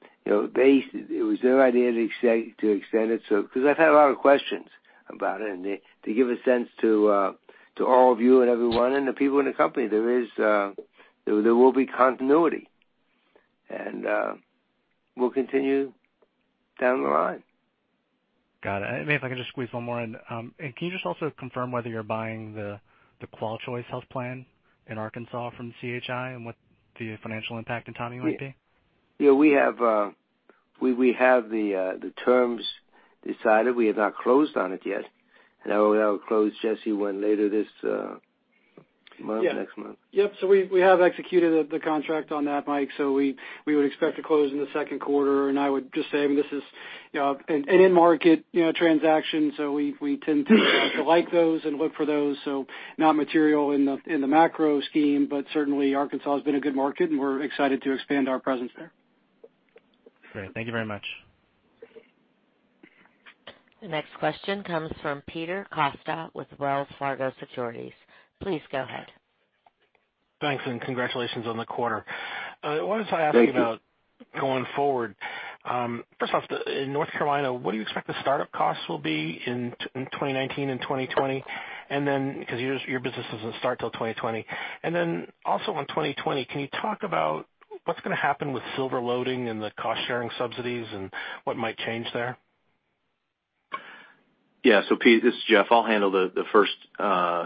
was their idea to extend it so, because I've had a lot of questions about it, and to give a sense to all of you and everyone and the people in the company, there will be continuity. We'll continue down the line. Got it. Maybe if I can just squeeze one more in. Can you just also confirm whether you're buying the QualChoice health plan in Arkansas from CHI, and what the financial impact in timing might be? Yeah, we have the terms decided. We have not closed on it yet. That will close, Jesse, when, later this month, next month. Yep. We have executed the contract on that, Mike. We would expect to close in the second quarter, and I would just say this is an end market transaction, so we tend to like those and look for those, so not material in the macro scheme, but certainly Arkansas has been a good market, and we're excited to expand our presence there. Great. Thank you very much. The next question comes from Peter Costa with Wells Fargo Securities. Please go ahead. Thanks, congratulations on the quarter. Thank you. I wanted to ask about going forward. First off, in North Carolina, what do you expect the startup costs will be in 2019 and 2020? Because your business doesn't start till 2020. Also on 2020, can you talk about what's going to happen with silver loading and the cost-sharing subsidies and what might change there? Yeah. Pete, this is Jeff. I'll handle the first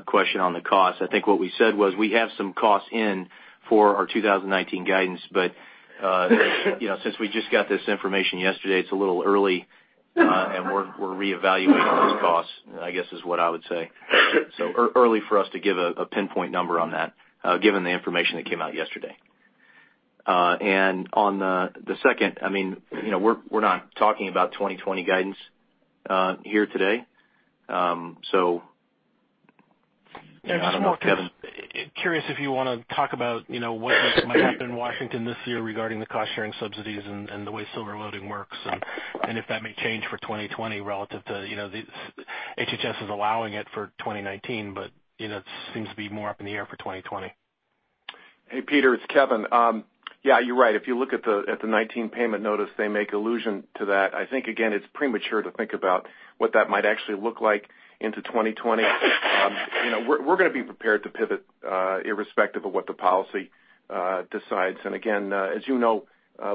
question on the cost. I think what we said was we have some costs in for our 2019 guidance, but since we just got this information yesterday, it's a little early We're reevaluating those costs, I guess, is what I would say. Early for us to give a pinpoint number on that, given the information that came out yesterday. On the second, we're not talking about 2020 guidance here today. I don't know if Kevin- Just curious if you want to talk about what might happen in Washington this year regarding the cost-sharing subsidies and the way silver loading works, and if that may change for 2020 relative to, HHS is allowing it for 2019, but it seems to be more up in the air for 2020. Hey, Peter, it's Kevin. Yeah, you're right. If you look at the 2019 payment notice, they make allusion to that. I think, again, it's premature to think about what that might actually look like into 2020. We're going to be prepared to pivot, irrespective of what the policy decides. Again, as you know,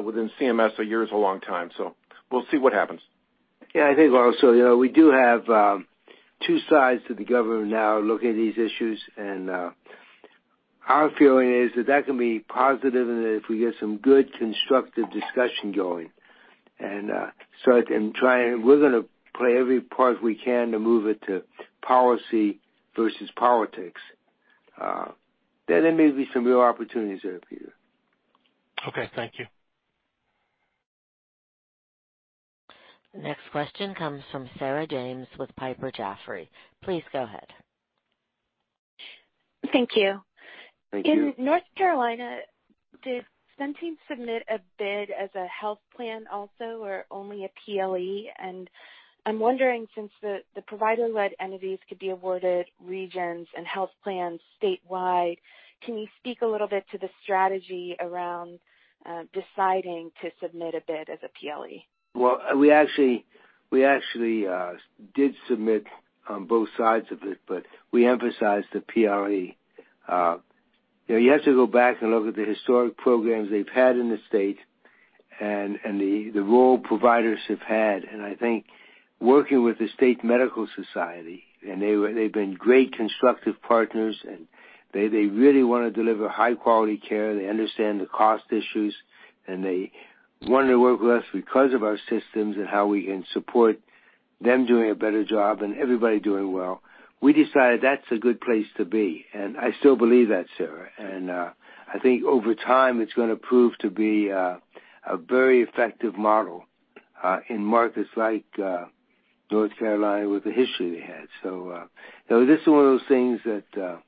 within CMS, a year is a long time, so we'll see what happens. Yeah, I think also, we do have two sides to the government now looking at these issues. Our feeling is that that can be positive and if we get some good constructive discussion going, and we're going to play every part we can to move it to policy versus politics. There may be some real opportunities there, Peter. Okay. Thank you. Next question comes from Sarah James with Piper Jaffray. Please go ahead. Thank you. Thank you. In North Carolina, did Centene submit a bid as a health plan also or only a PLE? I'm wondering, since the provider-led entities could be awarded regions and health plans statewide, can you speak a little bit to the strategy around deciding to submit a bid as a PLE? Well, we actually did submit on both sides of it, but we emphasized the PLE. You have to go back and look at the historic programs they've had in the state and the role providers have had. I think working with the State Medical Society, they've been great constructive partners, they really want to deliver high-quality care. They understand the cost issues, they want to work with us because of our systems and how we can support them doing a better job and everybody doing well. We decided that's a good place to be, I still believe that, Sarah. I think over time, it's going to prove to be a very effective model in markets like North Carolina with the history they had. This is one of those things that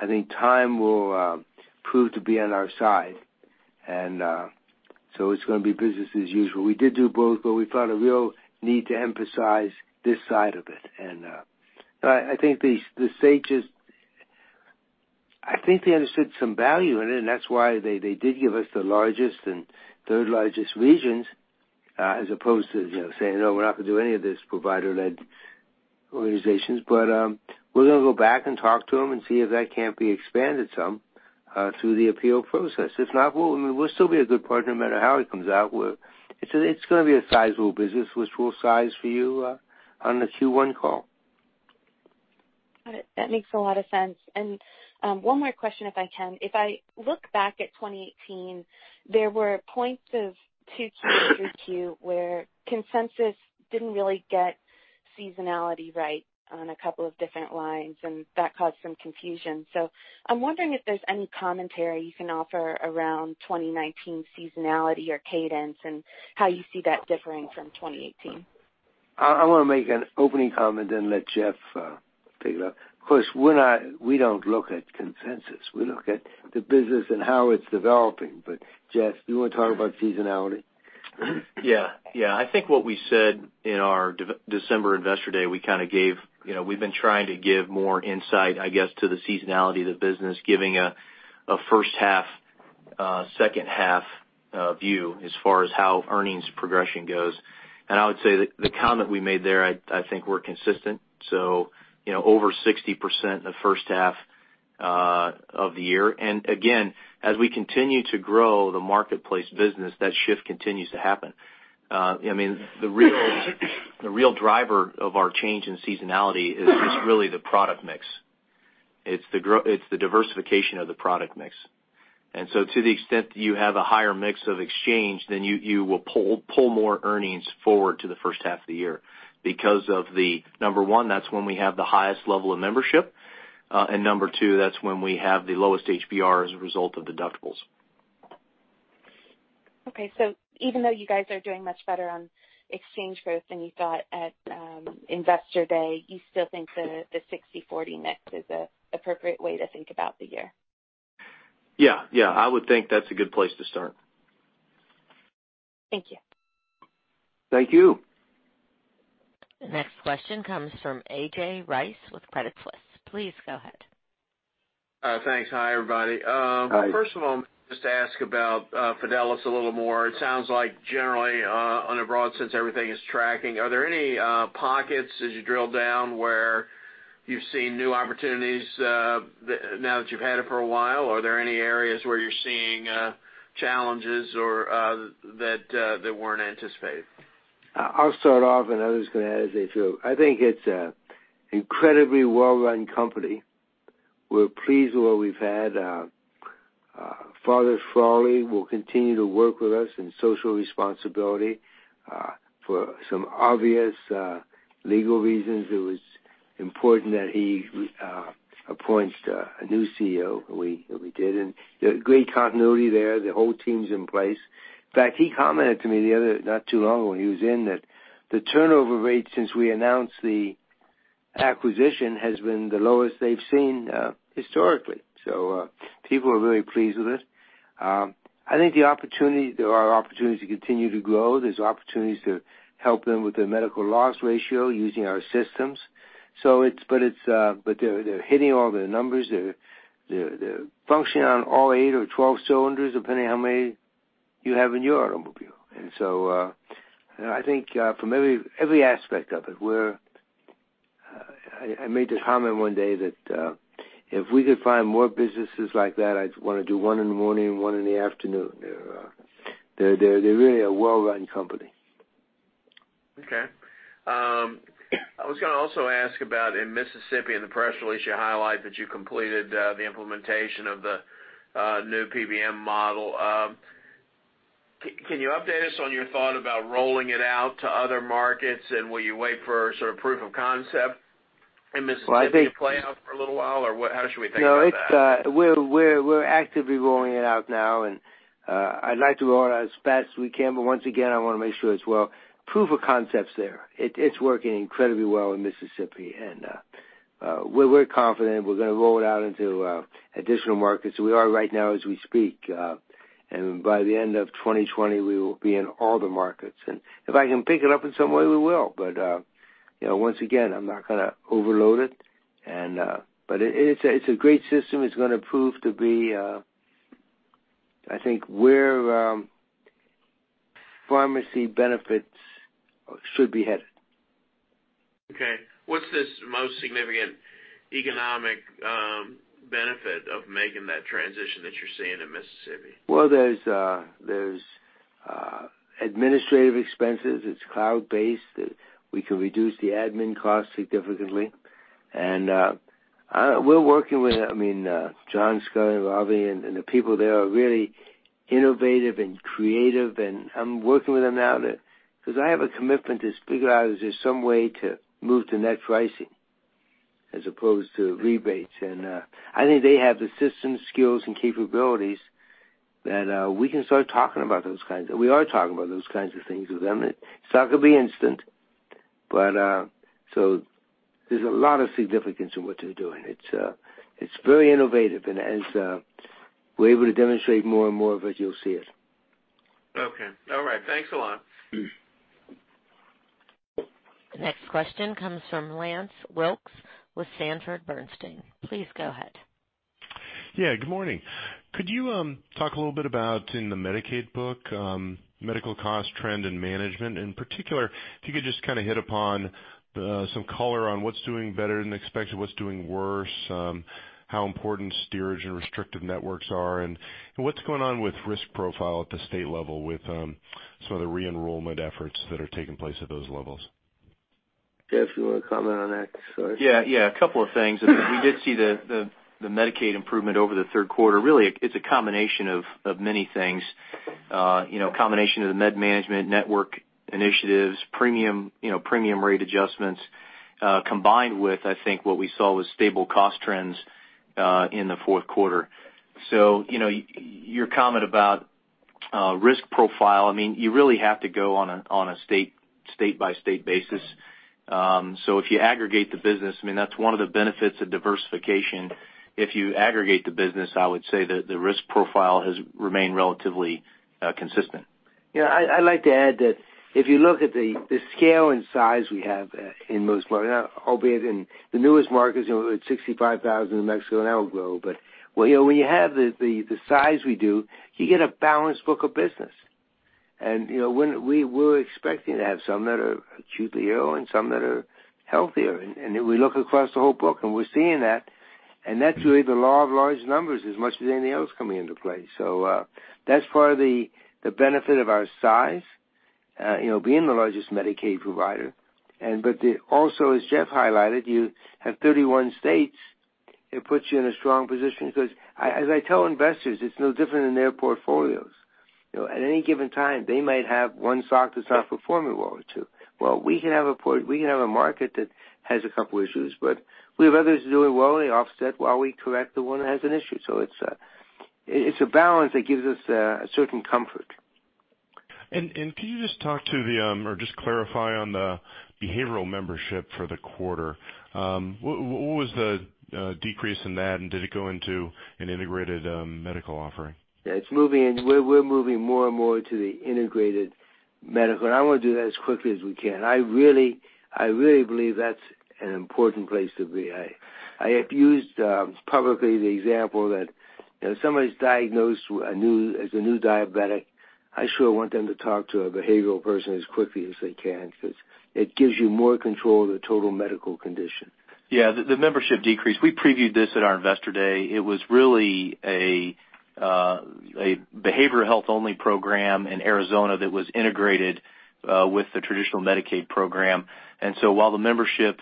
I think time will prove to be on our side. It's going to be business as usual. We did do both, we felt a real need to emphasize this side of it. I think the state, I think they understood some value in it, and that's why they did give us the largest and third largest regions, as opposed to saying, "No, we're not going to do any of this provider-led organizations." We're going to go back and talk to them and see if that can't be expanded some through the appeal process. If not, we'll still be a good partner no matter how it comes out. It's going to be a sizable business, which we'll size for you on the Q1 call. Got it. That makes a lot of sense. One more question, if I can. If I look back at 2018, there were points of 2Q through 3Q, where consensus didn't really get seasonality right on a couple of different lines, and that caused some confusion. I'm wondering if there's any commentary you can offer around 2019 seasonality or cadence and how you see that differing from 2018. I want to make an opening comment and let Jeff take it up. Of course, we don't look at consensus. We look at the business and how it's developing. Jeff, do you want to talk about seasonality? Yeah. I think what we said in our December investor day, we've been trying to give more insight, I guess, to the seasonality of the business, giving a first half, second half view as far as how earnings progression goes. I would say the comment we made there, I think, we're consistent. Over 60% in the first half of the year. Again, as we continue to grow the marketplace business, that shift continues to happen. The real driver of our change in seasonality is just really the product mix. It's the diversification of the product mix. To the extent you have a higher mix of exchange, then you will pull more earnings forward to the first half of the year because of the, number one, that's when we have the highest level of membership, and number two, that's when we have the lowest HBR as a result of deductibles. Okay. Even though you guys are doing much better on exchange growth than you thought at Investor Day, you still think the 60/40 mix is an appropriate way to think about the year? Yeah. I would think that's a good place to start. Thank you. Thank you. Next question comes from A.J. Rice with Credit Suisse. Please go ahead. Thanks. Hi, everybody. Hi. First of all, just to ask about Fidelis a little more. It sounds like generally on a broad sense, everything is tracking. Are there any pockets as you drill down where you've seen new opportunities now that you've had it for a while? Are there any areas where you're seeing challenges or that weren't anticipated? I'll start off, and others can add as they feel. I think it's an incredibly well-run company. We're pleased with what we've had. Father Frawley will continue to work with us in social responsibility. For some obvious legal reasons, it was important that he appoints a new CEO, we did, and great continuity there. The whole team's in place. In fact, he commented to me not too long ago, when he was in, that the turnover rate since we announced the acquisition has been the lowest they've seen historically. People are very pleased with it. I think there are opportunities to continue to grow. There's opportunities to help them with their Medical Loss Ratio using our systems. They're hitting all their numbers. They're functioning on all eight or twelve cylinders, depending how many you have in your automobile. I think, from every aspect of it, I made the comment one day that if we could find more businesses like that, I'd want to do one in the morning and one in the afternoon. They're really a well-run company. Okay. I was going to also ask about, in Mississippi, in the press release, you highlight that you completed the implementation of the new PBM model. Can you update us on your thought about rolling it out to other markets? Will you wait for sort of proof of concept in Mississippi to play out for a little while, or how should we think about that? No, we're actively rolling it out now, and I'd like to roll it out as fast as we can. Once again, I want to make sure. Proof of concept's there. It's working incredibly well in Mississippi, and we're confident we're going to roll it out into additional markets. We are right now, as we speak. By the end of 2020, we will be in all the markets. If I can pick it up in some way, we will. Once again, I'm not going to overload it. It's a great system. It's going to prove to be, I think, where pharmacy benefits should be headed. Okay. What's the most significant economic benefit of making that transition that you're seeing in Mississippi? Well, there's administrative expenses. It's cloud-based. We can reduce the admin costs significantly. We're working with John Sculley and Ravi, and the people there are really innovative and creative, and I'm working with them now because I have a commitment to figure out if there's some way to move to net pricing as opposed to rebates. I think they have the systems, skills, and capabilities that we can start talking about those kinds, and we are talking about those kinds of things with them. It's not going to be instant. There's a lot of significance in what they're doing. It's very innovative, and as we're able to demonstrate more and more of it, you'll see it. Okay. All right. Thanks a lot. The next question comes from Lance Wilkes with Sanford C. Bernstein. Please go ahead. Yeah, good morning. Could you talk a little bit about, in the Medicaid book, medical cost trend and management? In particular, if you could just kind of hit upon some color on what's doing better than expected, what's doing worse, how important steerage and restrictive networks are, and what's going on with risk profile at the state level with some of the re-enrollment efforts that are taking place at those levels? Jeff, you want to comment on that? Sorry. Yeah, a couple of things. We did see the Medicaid improvement over the third quarter. It's a combination of many things. Combination of the med management network initiatives, premium rate adjustments, combined with, I think, what we saw was stable cost trends, in the fourth quarter. Your comment about risk profile, you really have to go on a state-by-state basis. If you aggregate the business, that's one of the benefits of diversification. If you aggregate the business, I would say that the risk profile has remained relatively consistent. Yeah, I'd like to add that if you look at the scale and size we have in most markets, albeit in the newest markets, with 65,000 in New Mexico, and that will grow. When you have the size we do, you get a balanced book of business. We're expecting to have some that are acutely ill and some that are healthier. Then we look across the whole book, and we're seeing that, and that's really the law of large numbers as much as anything else coming into play. That's part of the benefit of our size, being the largest Medicaid provider. Also, as Jeff highlighted, you have 31 states. It puts you in a strong position because, as I tell investors, it's no different than their portfolios. At any given time, they might have one stock that's not performing well or two. Well, we can have a market that has a couple issues. We have others doing well. They offset while we correct the one that has an issue. It's a balance that gives us a certain comfort. Can you just talk to the, or just clarify on the behavioral membership for the quarter? What was the decrease in that? Did it go into an integrated medical offering? Yeah, we're moving more and more to the integrated medical. I want to do that as quickly as we can. I really believe that's an important place to be. I have used, publicly, the example that if somebody's diagnosed as a new diabetic, I sure want them to talk to a behavioral person as quickly as they can, because it gives you more control of the total medical condition. Yeah, the membership decrease, we previewed this at our investor day. It was really a behavioral health-only program in Arizona that was integrated with the traditional Medicaid program. While the membership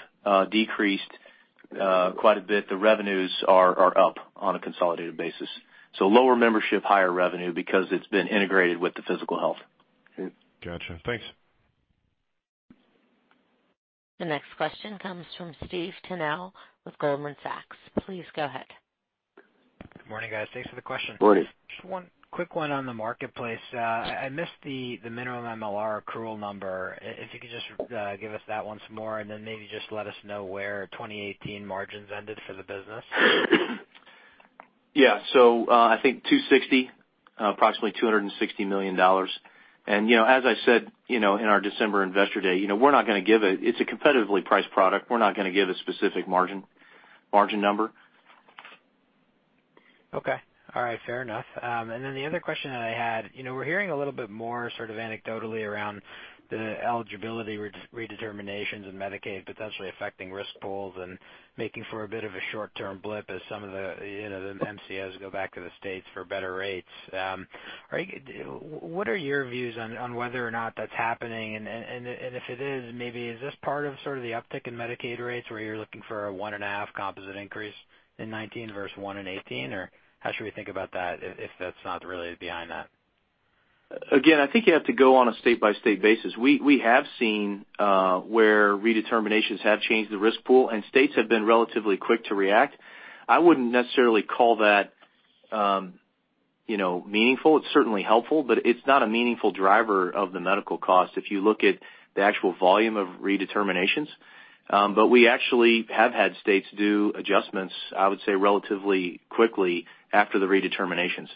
decreased quite a bit, the revenues are up on a consolidated basis. Lower membership, higher revenue, because it's been integrated with the physical health. Got you. Thanks. The next question comes from Steve Tanal with Goldman Sachs. Please go ahead. Good morning, guys. Thanks for the question. Morning. Just one quick one on the marketplace. I missed the minimum MLR accrual number. If you could just give us that once more, and then maybe just let us know where 2018 margins ended for the business. Yeah. I think approximately $260 million. As I said in our December Investor Day, it's a competitively priced product. We're not going to give a specific margin number. Okay. All right. Fair enough. The other question that I had. We're hearing a little bit more sort of anecdotally around the eligibility redeterminations and Medicaid potentially affecting risk pools and making for a bit of a short-term blip as some of the MCOs go back to the states for better rates. What are your views on whether or not that's happening? If it is, maybe is this part of sort of the uptick in Medicaid rates where you're looking for a 1.5 Composite increase in 2019 versus one in 2018, or how should we think about that if that's not really behind that? I think you have to go on a state-by-state basis. We have seen where redeterminations have changed the risk pool. States have been relatively quick to react. I wouldn't necessarily call that meaningful. It's certainly helpful, but it's not a meaningful driver of the medical cost if you look at the actual volume of redeterminations. We actually have had states do adjustments, I would say, relatively quickly after the redeterminations.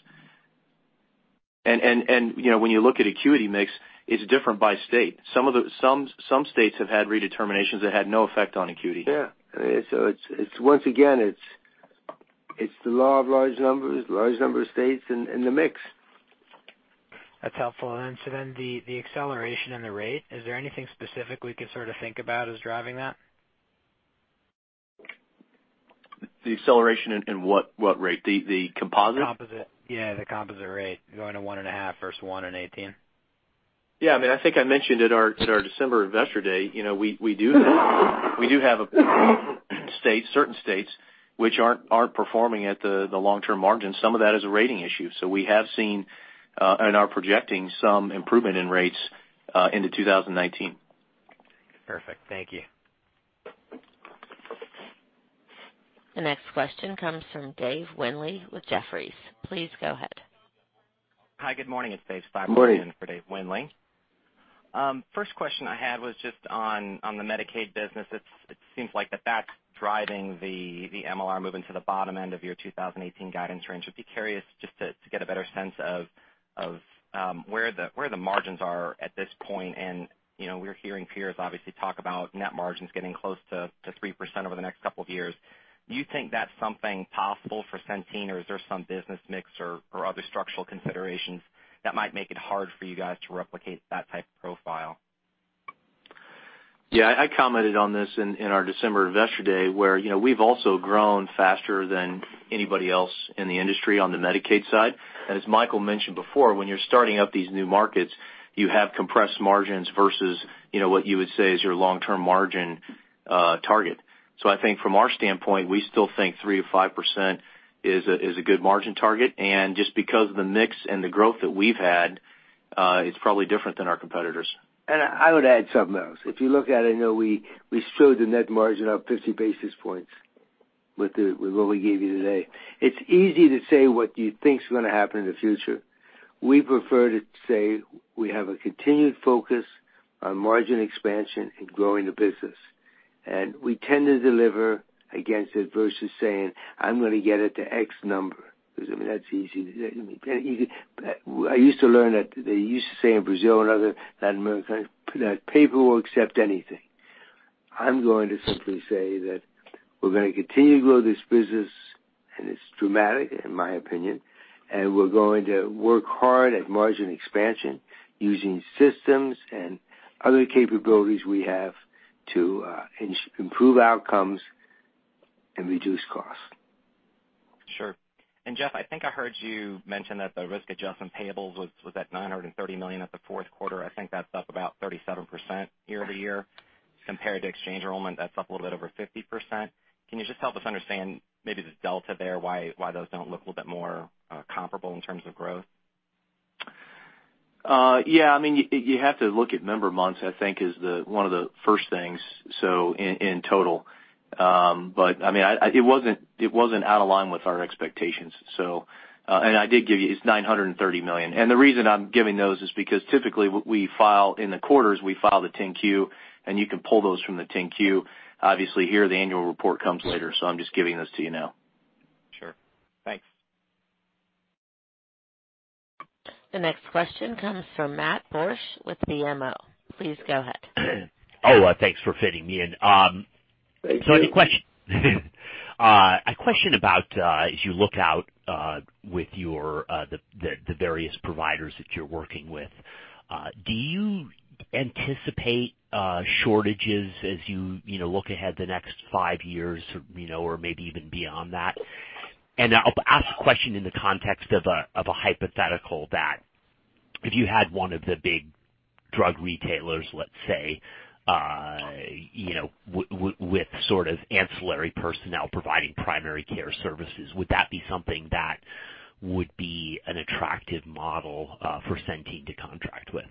When you look at acuity mix, it's different by state. Some states have had redeterminations that had no effect on acuity. Yeah. Once again, it's the law of large numbers, large number of states in the mix. That's helpful. The acceleration and the rate, is there anything specific we could sort of think about as driving that? The acceleration in what rate? The composite? Composite. Yeah, the composite rate, going to 1.5 versus 1 in 2018. Yeah. I think I mentioned at our December investor day, we do have states, certain states, which aren't performing at the long-term margin. Some of that is a rating issue. We have seen, and are projecting, some improvement in rates into 2019. Perfect. Thank you. The next question comes from Dave Windley with Jefferies. Please go ahead. Hi. Good morning. Morning. It's Dave Steinhardt in for Dave Windley. First question I had was just on the Medicaid business. It seems like that's driving the MLR moving to the bottom end of your 2018 guidance range. Would be curious just to get a better sense of where the margins are at this point. We're hearing peers obviously talk about net margins getting close to 3% over the next couple of years. Do you think that's something possible for Centene, or is there some business mix or other structural considerations that might make it hard for you guys to replicate that type of profile? I commented on this in our December investor day, where we've also grown faster than anybody else in the industry on the Medicaid side. As Michael mentioned before, when you're starting up these new markets, you have compressed margins versus what you would say is your long-term margin target. I think from our standpoint, we still think 3%-5% is a good margin target. Just because of the mix and the growth that we've had, it's probably different than our competitors. I would add something else. If you look at it, we showed the net margin up 50 basis points with what we gave you today. It's easy to say what you think's going to happen in the future. We prefer to say we have a continued focus on margin expansion and growing the business. We tend to deliver against it versus saying, "I'm going to get it to X number." I mean, that's easy to say. I used to learn that they used to say in Brazil and other Latin American countries that paper will accept anything. I'm going to simply say that we're going to continue to grow this business, and it's dramatic, in my opinion, and we're going to work hard at margin expansion using systems and other capabilities we have to improve outcomes and reduce costs. Sure. Jeff, I think I heard you mention that the risk adjustment payables was at $930 million at the fourth quarter. I think that's up about 37% year-over-year. Compared to exchange enrollment, that's up a little bit over 50%. Can you just help us understand maybe the delta there, why those don't look a little bit more comparable in terms of growth? Yeah. You have to look at member months, I think is one of the first things, in total. It wasn't out of line with our expectations. I did give you, it's $930 million. The reason I'm giving those is because typically, in the quarters, we file the 10-Q, and you can pull those from the 10-Q. Obviously, here, the annual report comes later, so I'm just giving those to you now. Sure. Thanks. The next question comes from Matt Borsch with BMO. Please go ahead. Oh, thanks for fitting me in. Thank you. I have a question. A question about, as you look out with the various providers that you're working with, do you anticipate shortages as you look ahead the next five years, or maybe even beyond that? If you had one of the big drug retailers, let's say, with ancillary personnel providing primary care services, would that be something that would be an attractive model for Centene to contract with?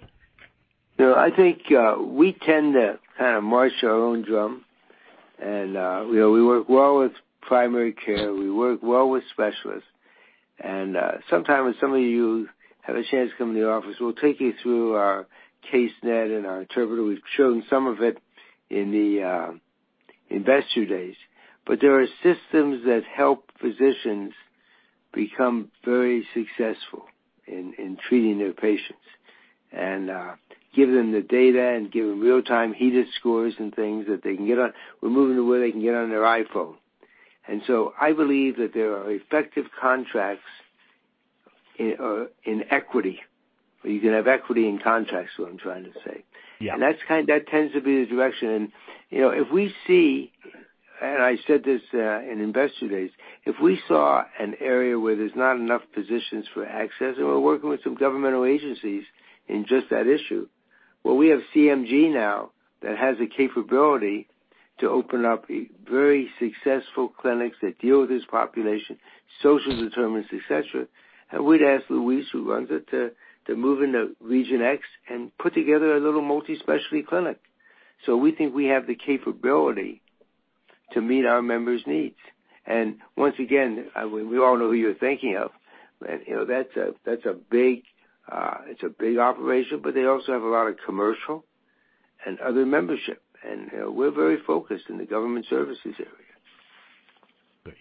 No, I think we tend to march to our own drum. We work well with primary care, we work well with specialists. Sometime, when some of you have a chance to come to the office, we'll take you through our Casenet and our Integra. We've shown some of it in the Investor Days. There are systems that help physicians become very successful in treating their patients, and give them the data, and give them real-time HEDIS scores and things that they can get on. We're moving to where they can get on their iPhone. I believe that there are effective contracts in equity, where you can have equity in contracts, is what I'm trying to say. Yeah. That tends to be the direction. If we see, I said this in Investor Days, if we saw an area where there's not enough physicians for access, we're working with some governmental agencies in just that issue, where we have CMG now that has the capability to open up very successful clinics that deal with this population, social determinants, et cetera, we'd ask Luis, who runs it, to move into region X and put together a little multi-specialty clinic. We think we have the capability to meet our members' needs. Once again, we all know who you're thinking of, but it's a big operation, but they also have a lot of commercial and other membership. We're very focused in the government services area. Great.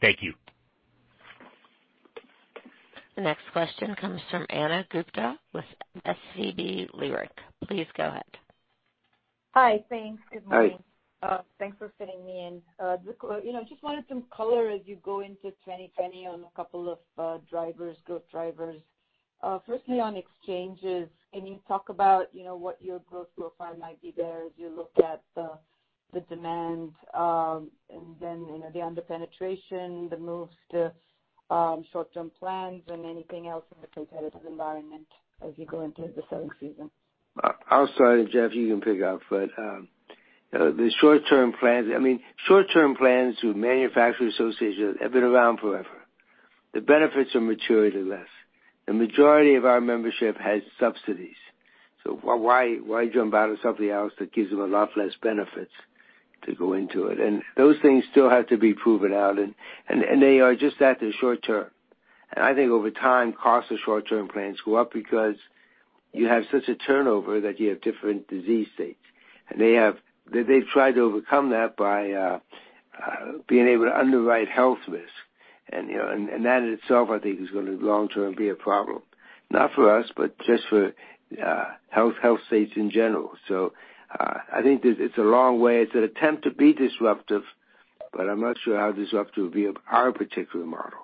Thank you. The next question comes from Ana Gupte with SVB Leerink. Please go ahead. Hi. Thanks. Good morning. Hi. Thanks for fitting me in. Just wanted some color as you go into 2020 on a couple of growth drivers. Firstly, on exchanges, can you talk about what your growth profile might be there as you look at the demand, and then the under-penetration, the moves to short-term plans, and anything else in the competitive environment as you go into the selling season? I'll start, and Jeff, you can pick up. The short-term plans, I mean, short-term plans through manufacturing associations have been around forever. The benefits are materially less. The majority of our membership has subsidies. Why jump out of something else that gives them a lot less benefits to go into it? Those things still have to be proven out, and they are just that, they're short-term. I think over time, costs of short-term plans go up because you have such a turnover that you have different disease states. They've tried to overcome that by being able to underwrite health risk. That in itself, I think, is going to long-term be a problem, not for us, but just for health states in general. I think it's a long way. It's an attempt to be disruptive, but I'm not sure how disruptive it'll be of our particular model.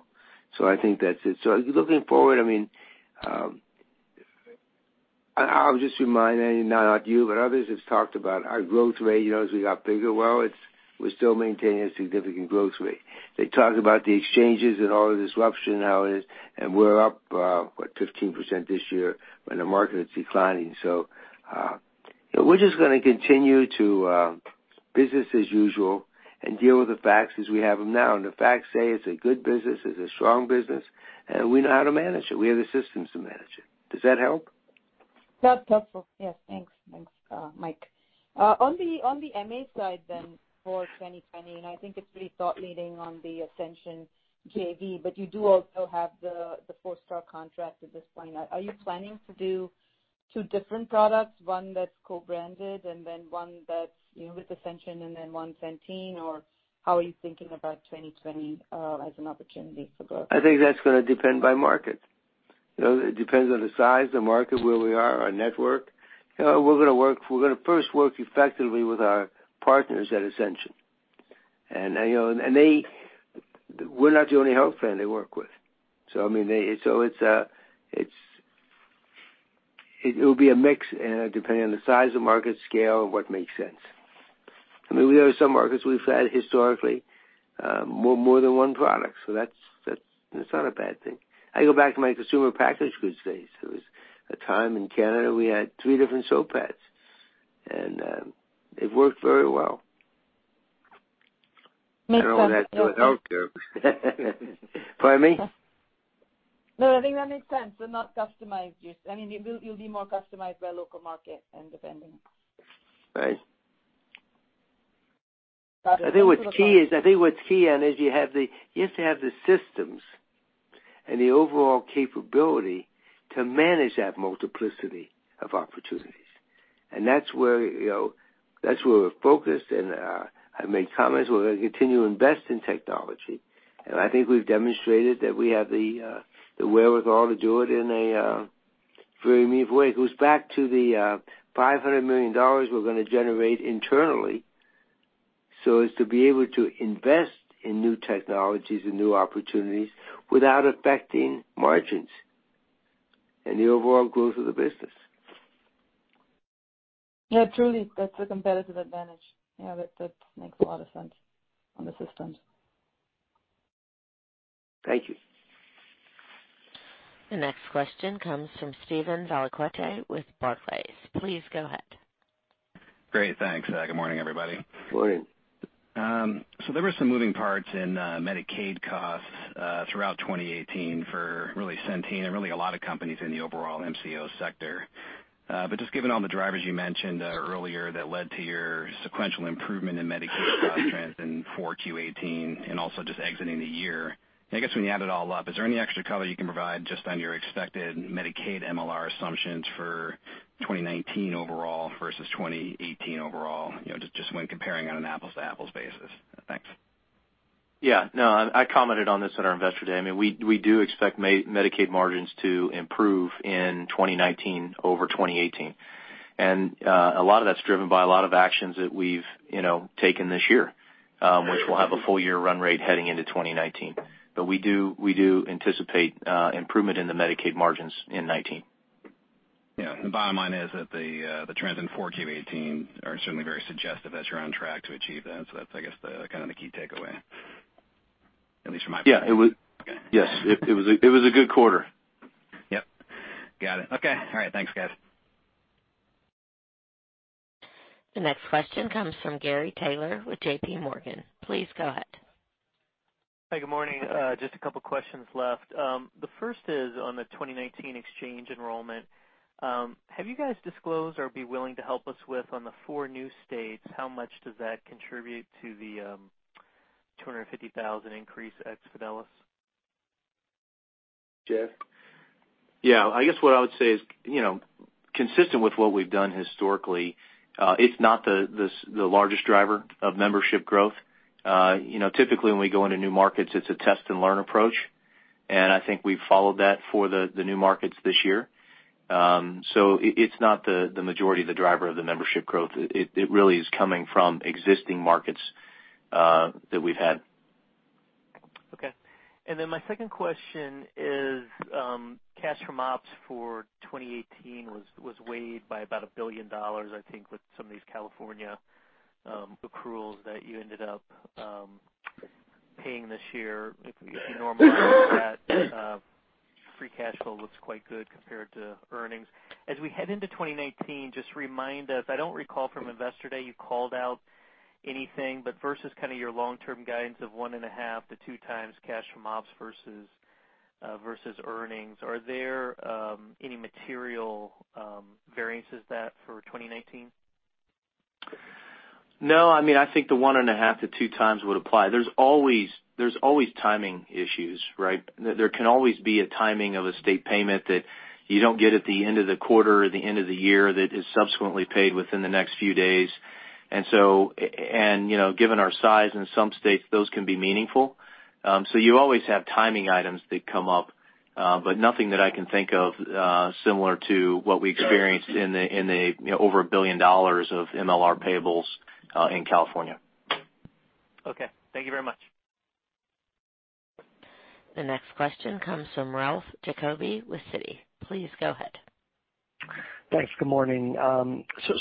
I think that's it. Looking forward, I'll just remind, maybe not you, but others, it's talked about our growth rate, as we got bigger. Well, we're still maintaining a significant growth rate. They talked about the exchanges and all the disruption how it is, and we're up, what, 15% this year when the market is declining. We're just going to continue to business as usual and deal with the facts as we have them now. The facts say it's a good business, it's a strong business, and we know how to manage it. We have the systems to manage it. Does that help? That's helpful. Yes, thanks, Mike. On the MA side, for 2020, I think it's pretty thought-leading on the Ascension JV, you do also have the four-star contract at this point. Are you planning to do two different products, one that's co-branded, one that's with Ascension, one Centene? How are you thinking about 2020 as an opportunity for growth? I think that's going to depend by market. It depends on the size, the market, where we are, our network. We're going to first work effectively with our partners at Ascension. We're not the only health plan they work with. It'll be a mix depending on the size of market scale and what makes sense. There are some markets we've had historically, more than one product, that's not a bad thing. I go back to my consumer packaged goods days. There was a time in Canada we had three different soap pads. It worked very well. Makes sense. I don't know if that helps you. Pardon me? No, I think that makes sense. They're not customized. You'll be more customized by local market and depending. Right. I think what's key, Ana, is you have to have the systems and the overall capability to manage that multiplicity of opportunities. That's where we're focused, I've made comments, we're going to continue to invest in technology. I think we've demonstrated that we have the wherewithal to do it in a very unique way. It goes back to the $500 million we're going to generate internally so as to be able to invest in new technologies and new opportunities without affecting margins and the overall growth of the business. Yeah, truly, that's a competitive advantage. Yeah, that makes a lot of sense on the systems. Thank you. The next question comes from Steven Valiquette with Barclays. Please go ahead. Great, thanks. Good morning, everybody. Morning. There were some moving parts in Medicaid costs throughout 2018 for really Centene and really a lot of companies in the overall MCO sector. Just given all the drivers you mentioned earlier that led to your sequential improvement in Medicaid cost trends in 4Q18 and also just exiting the year, I guess when you add it all up, is there any extra color you can provide just on your expected Medicaid MLR assumptions for 2019 overall versus 2018 overall, just when comparing on an apples to apples basis? Thanks. Yeah. No, I commented on this at our Investor Day. We do expect Medicaid margins to improve in 2019 over 2018. A lot of that's driven by a lot of actions that we've taken this year, which will have a full year run rate heading into 2019. We do anticipate improvement in the Medicaid margins in 2019. Yeah. The bottom line is that the trends in 4Q18 are certainly very suggestive that you're on track to achieve that. That's, I guess, kind of the key takeaway, at least from my point of view. Yes. It was a good quarter. Yep. Got it. Okay. All right. Thanks, guys. The next question comes from Gary Taylor with JPMorgan. Please go ahead. Hi, good morning. Just a couple questions left. The first is on the 2019 exchange enrollment. Have you guys disclosed or be willing to help us with, on the four new states, how much does that contribute to the 250,000 increase ex Fidelis? Jeff? Yeah, I guess what I would say is, consistent with what we've done historically, it is not the largest driver of membership growth. Typically, when we go into new markets, it is a test and learn approach, and I think we've followed that for the new markets this year. It is not the majority of the driver of the membership growth. It really is coming from existing markets that we've had. Okay. My second question is, cash from ops for 2018 was weighed by about $1 billion, I think, with some of these California accruals that you ended up paying this year. If you normalize that, free cash flow looks quite good compared to earnings. As we head into 2019, just remind us, I do not recall from Investor Day you called out anything, versus kind of your long-term guidance of 1.5x-2x cash from ops versus earnings, are there any material variances that for 2019? I think the 1.5x-2x would apply. There's always timing issues, right? There can always be a timing of a state payment that you don't get at the end of the quarter or the end of the year that is subsequently paid within the next few days. Given our size in some states, those can be meaningful. You always have timing items that come up, but nothing that I can think of similar to what we experienced in the over $1 billion of MLR payables in California. Okay. Thank you very much. The next question comes from Ralph Giacobbe with Citi. Please go ahead. Thanks. Good morning.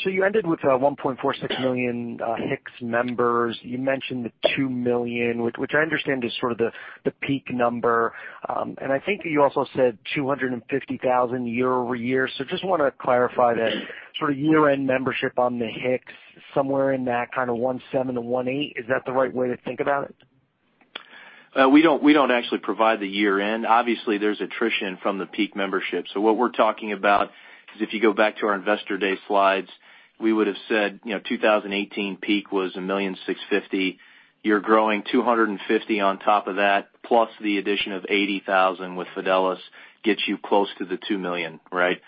You ended with 1.46 million HIX members. You mentioned the 2 million, which I understand is sort of the peak number. I think you also said 250,000 year-over-year. Just want to clarify that sort of year-end membership on the HIX, somewhere in that kind of 1.7 million-1.8 million. Is that the right way to think about it? We don't actually provide the year-end. Obviously, there's attrition from the peak membership. What we're talking about is if you go back to our Investor Day slides, we would have said 2018 peak was 1.65 million. You're growing 250 on top of that, plus the addition of 80,000 with Fidelis gets you close to the 2 million, right?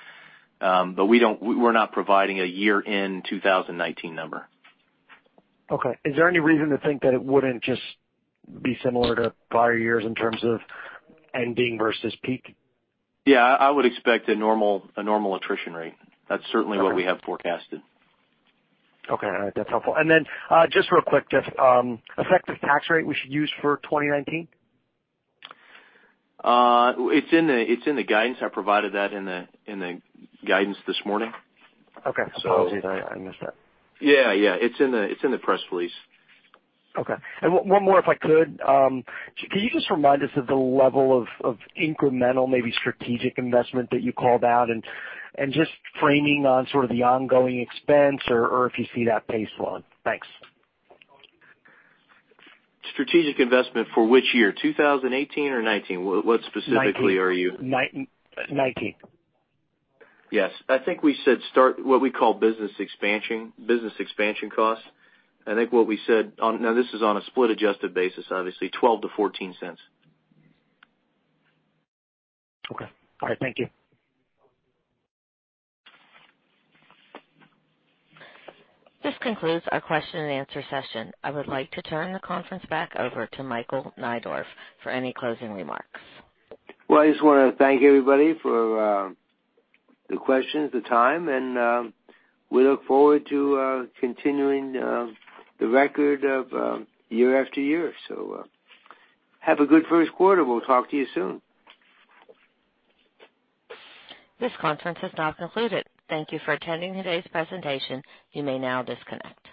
We're not providing a year-end 2019 number. Is there any reason to think that it wouldn't just be similar to prior years in terms of ending versus peak? I would expect a normal attrition rate. That's certainly what we have forecasted. That's helpful. Just real quick, Jeff, effective tax rate we should use for 2019? It's in the guidance. I provided that in the guidance this morning. Okay. Apologies, I missed that. Yeah. It's in the press release. Okay. One more, if I could. Can you just remind us of the level of incremental, maybe strategic investment that you called out? Just framing on sort of the ongoing expense or if you see that pace slowing. Thanks. Strategic investment for which year? 2018 or 2019? 2019. Yes. I think we said start what we call business expansion costs. I think what we said, now this is on a split adjusted basis, obviously, $0.12-$0.14. Okay. All right. Thank you. This concludes our question and answer session. I would like to turn the conference back over to Michael Neidorff for any closing remarks. I just want to thank everybody for the questions, the time, and we look forward to continuing the record of year after year. Have a good first quarter. We'll talk to you soon. This conference is now concluded. Thank you for attending today's presentation. You may now disconnect.